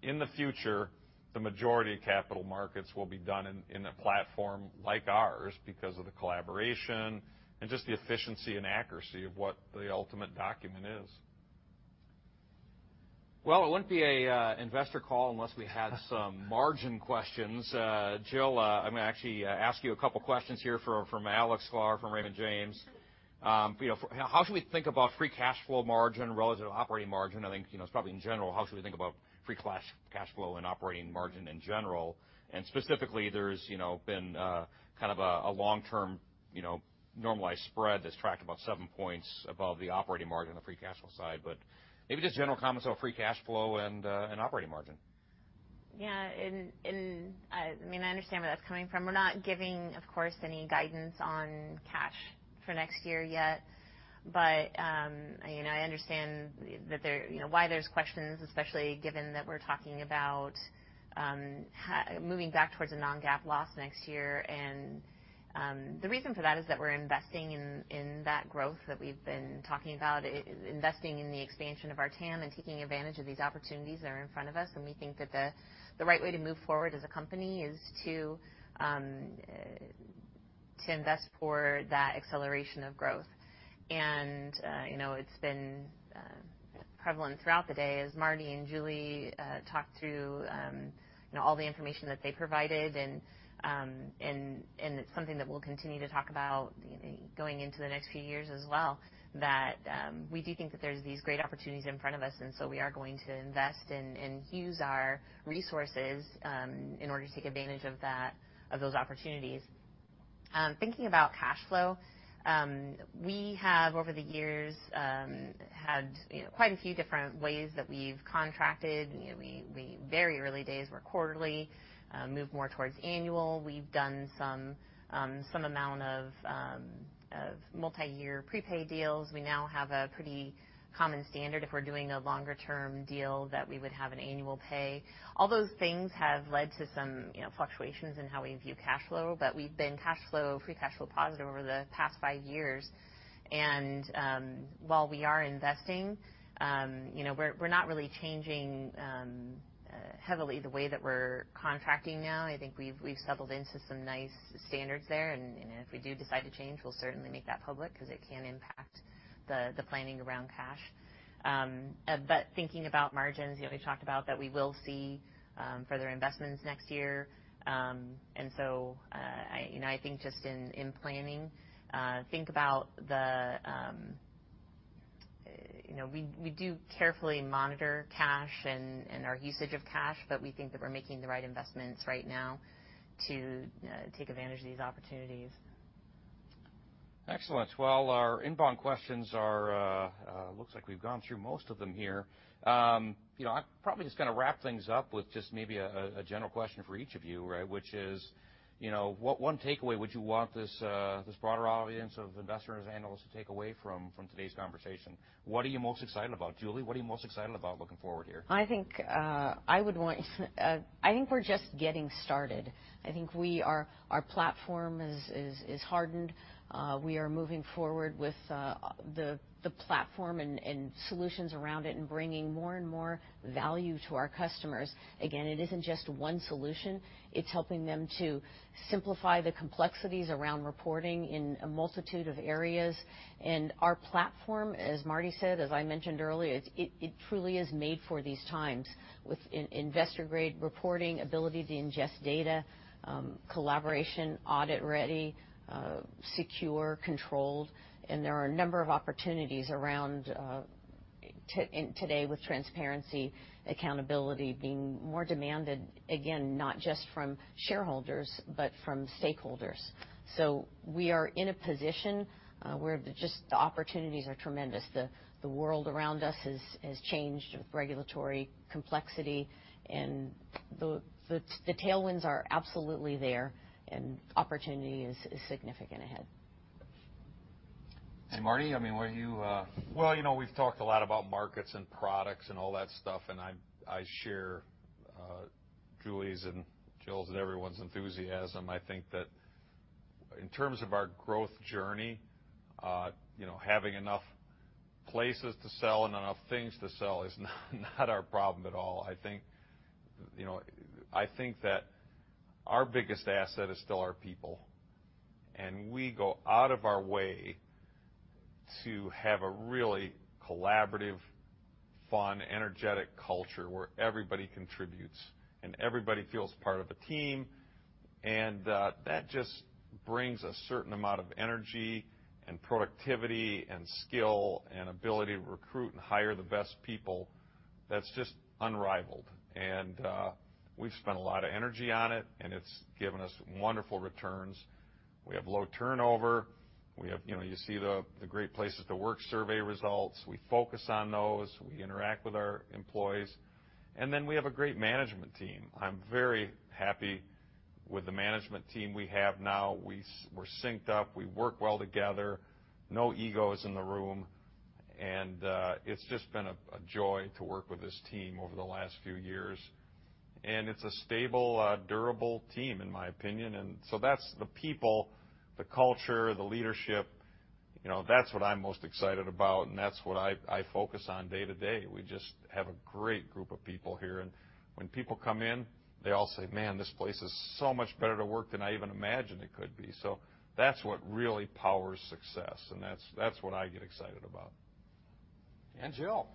S2: in the future, the majority of capital markets will be done in a platform like ours because of the collaboration and just the efficiency and accuracy of what the ultimate document is.
S1: It wouldn't be an investor call unless we had some margin questions. Jill, I'm going to actually ask you a couple of questions here from Alex from Raymond James. How should we think about free cash flow margin relative to operating margin? I think it's probably in general, how should we think about free cash flow and operating margin in general? And specifically, there's been kind of a long-term normalized spread that's tracked about seven points above the operating margin on the free cash flow side. But maybe just general comments on free cash flow and operating margin.
S4: Yeah. I mean, I understand where that's coming from. We're not giving, of course, any guidance on cash for next year yet. But I understand why there's questions, especially given that we're talking about moving back towards a non-GAAP loss next year. And the reason for that is that we're investing in that growth that we've been talking about, investing in the expansion of our TAM and taking advantage of these opportunities that are in front of us. We think that the right way to move forward as a company is to invest for that acceleration of growth. It's been prevalent throughout the day as Marty and Julie talked through all the information that they provided. It's something that we'll continue to talk about going into the next few years as well, that we do think that there's these great opportunities in front of us. So we are going to invest and use our resources in order to take advantage of those opportunities. Thinking about cash flow, we have over the years had quite a few different ways that we've contracted. In the very early days, we're quarterly, moved more towards annual. We've done some amount of multi-year prepay deals. We now have a pretty common standard. If we're doing a longer-term deal, that we would have an annual pay. All those things have led to some fluctuations in how we view cash flow, but we've been cash flow, free cash flow positive over the past five years, and while we are investing, we're not really changing heavily the way that we're contracting now. I think we've settled into some nice standards there, and if we do decide to change, we'll certainly make that public because it can impact the planning around cash, but thinking about margins, we talked about that we will see further investments next year, and so I think just in planning, think about that we do carefully monitor cash and our usage of cash, but we think that we're making the right investments right now to take advantage of these opportunities.
S1: Excellent, well, our inbound questions, it looks like we've gone through most of them here. I'm probably just going to wrap things up with just maybe a general question for each of you, which is, what one takeaway would you want this broader audience of investors and analysts to take away from today's conversation? What are you most excited about? Julie, what are you most excited about looking forward here?
S3: I think I would want I think we're just getting started. I think our platform is hardened. We are moving forward with the platform and solutions around it and bringing more and more value to our customers. Again, it isn't just one solution. It's helping them to simplify the complexities around reporting in a multitude of areas, and our platform, as Marty said, as I mentioned earlier, it truly is made for these times with investor-grade reporting, ability to ingest data, collaboration, audit-ready, secure, controlled. And there are a number of opportunities around today with transparency, accountability being more demanded, again, not just from shareholders, but from stakeholders. So we are in a position where just the opportunities are tremendous. The world around us has changed with regulatory complexity, and the tailwinds are absolutely there, and opportunity is significant ahead.
S1: Hey, Marty, I mean, what are you?
S2: Well, we've talked a lot about markets and products and all that stuff. And I share Julie's and Jill's and everyone's enthusiasm. I think that in terms of our growth journey, having enough places to sell and enough things to sell is not our problem at all. I think that our biggest asset is still our people. And we go out of our way to have a really collaborative, fun, energetic culture where everybody contributes and everybody feels part of a team. And that just brings a certain amount of energy and productivity and skill and ability to recruit and hire the best people. That's just unrivaled. And we've spent a lot of energy on it, and it's given us wonderful returns. We have low turnover. You see the Great Place to Work survey results. We focus on those. We interact with our employees. And then we have a great management team. I'm very happy with the management team we have now. We're synced up. We work well together. No egos in the room. And it's just been a joy to work with this team over the last few years. And it's a stable, durable team, in my opinion. And so that's the people, the culture, the leadership. That's what I'm most excited about, and that's what I focus on day to day. We just have a great group of people here. And when people come in, they all say, "Man, this place is so much better to work than I even imagined it could be." So that's what really powers success, and that's what I get excited about.
S1: And Jill.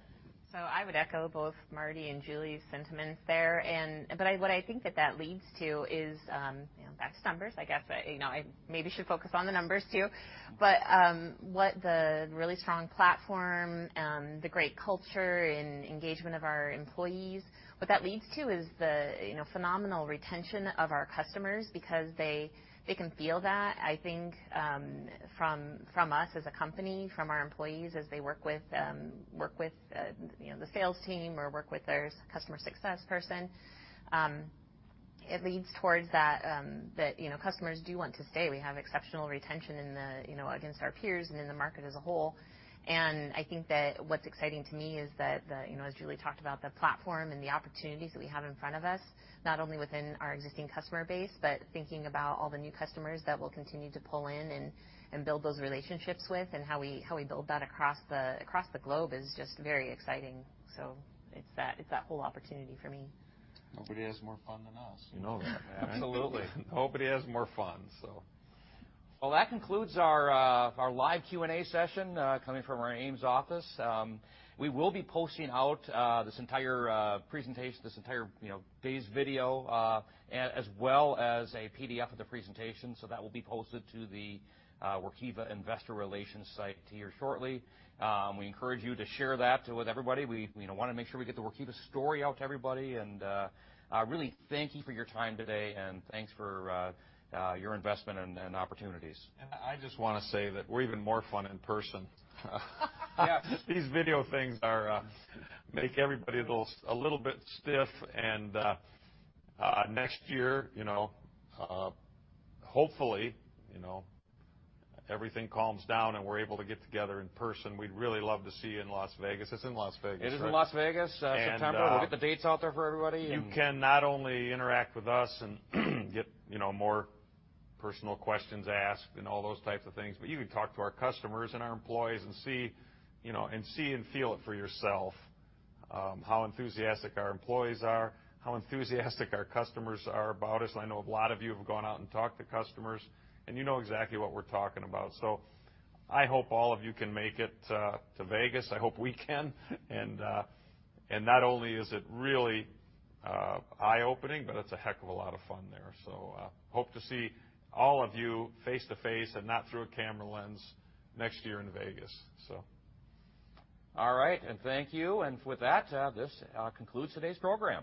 S4: So I would echo both Marty and Julie's sentiments there. But what I think that that leads to is back to numbers, I guess. I maybe should focus on the numbers too. But what the really strong platform, the great culture and engagement of our employees, what that leads to is the phenomenal retention of our customers because they can feel that, I think, from us as a company, from our employees as they work with the sales team or work with their customer success person. It leads towards that customers do want to stay. We have exceptional retention against our peers and in the market as a whole. I think that what's exciting to me is that, as Julie talked about, the platform and the opportunities that we have in front of us, not only within our existing customer base, but thinking about all the new customers that we'll continue to pull in and build those relationships with and how we build that across the globe is just very exciting. It's that whole opportunity for me.
S2: Nobody has more fun than us. You know that, man.
S1: Absolutely. Nobody has more fun, so. That concludes our live Q&A session coming from our Ames office. We will be posting out this entire presentation, this entire day's video, as well as a PDF of the presentation. That will be posted to the Workiva Investor Relations site here shortly. We encourage you to share that with everybody. We want to make sure we get the Workiva story out to everybody. And really thank you for your time today, and thanks for your investment and opportunities.
S2: And I just want to say that we're even more fun in person. These video things make everybody a little bit stiff. And next year, hopefully, everything calms down and we're able to get together in person. We'd really love to see you in Las Vegas. It's in Las Vegas, sir.
S1: It is in Las Vegas, September. We'll get the dates out there for everybody.
S2: You can not only interact with us and get more personal questions asked and all those types of things, but you can talk to our customers and our employees and see and feel it for yourself how enthusiastic our employees are, how enthusiastic our customers are about us. And I know a lot of you have gone out and talked to customers, and you know exactly what we're talking about. So I hope all of you can make it to Vegas. I hope we can. And not only is it really eye-opening, but it's a heck of a lot of fun there. So hope to see all of you face to face and not through a camera lens next year in Vegas, so.
S1: All right. And thank you. And with that, this concludes today's program.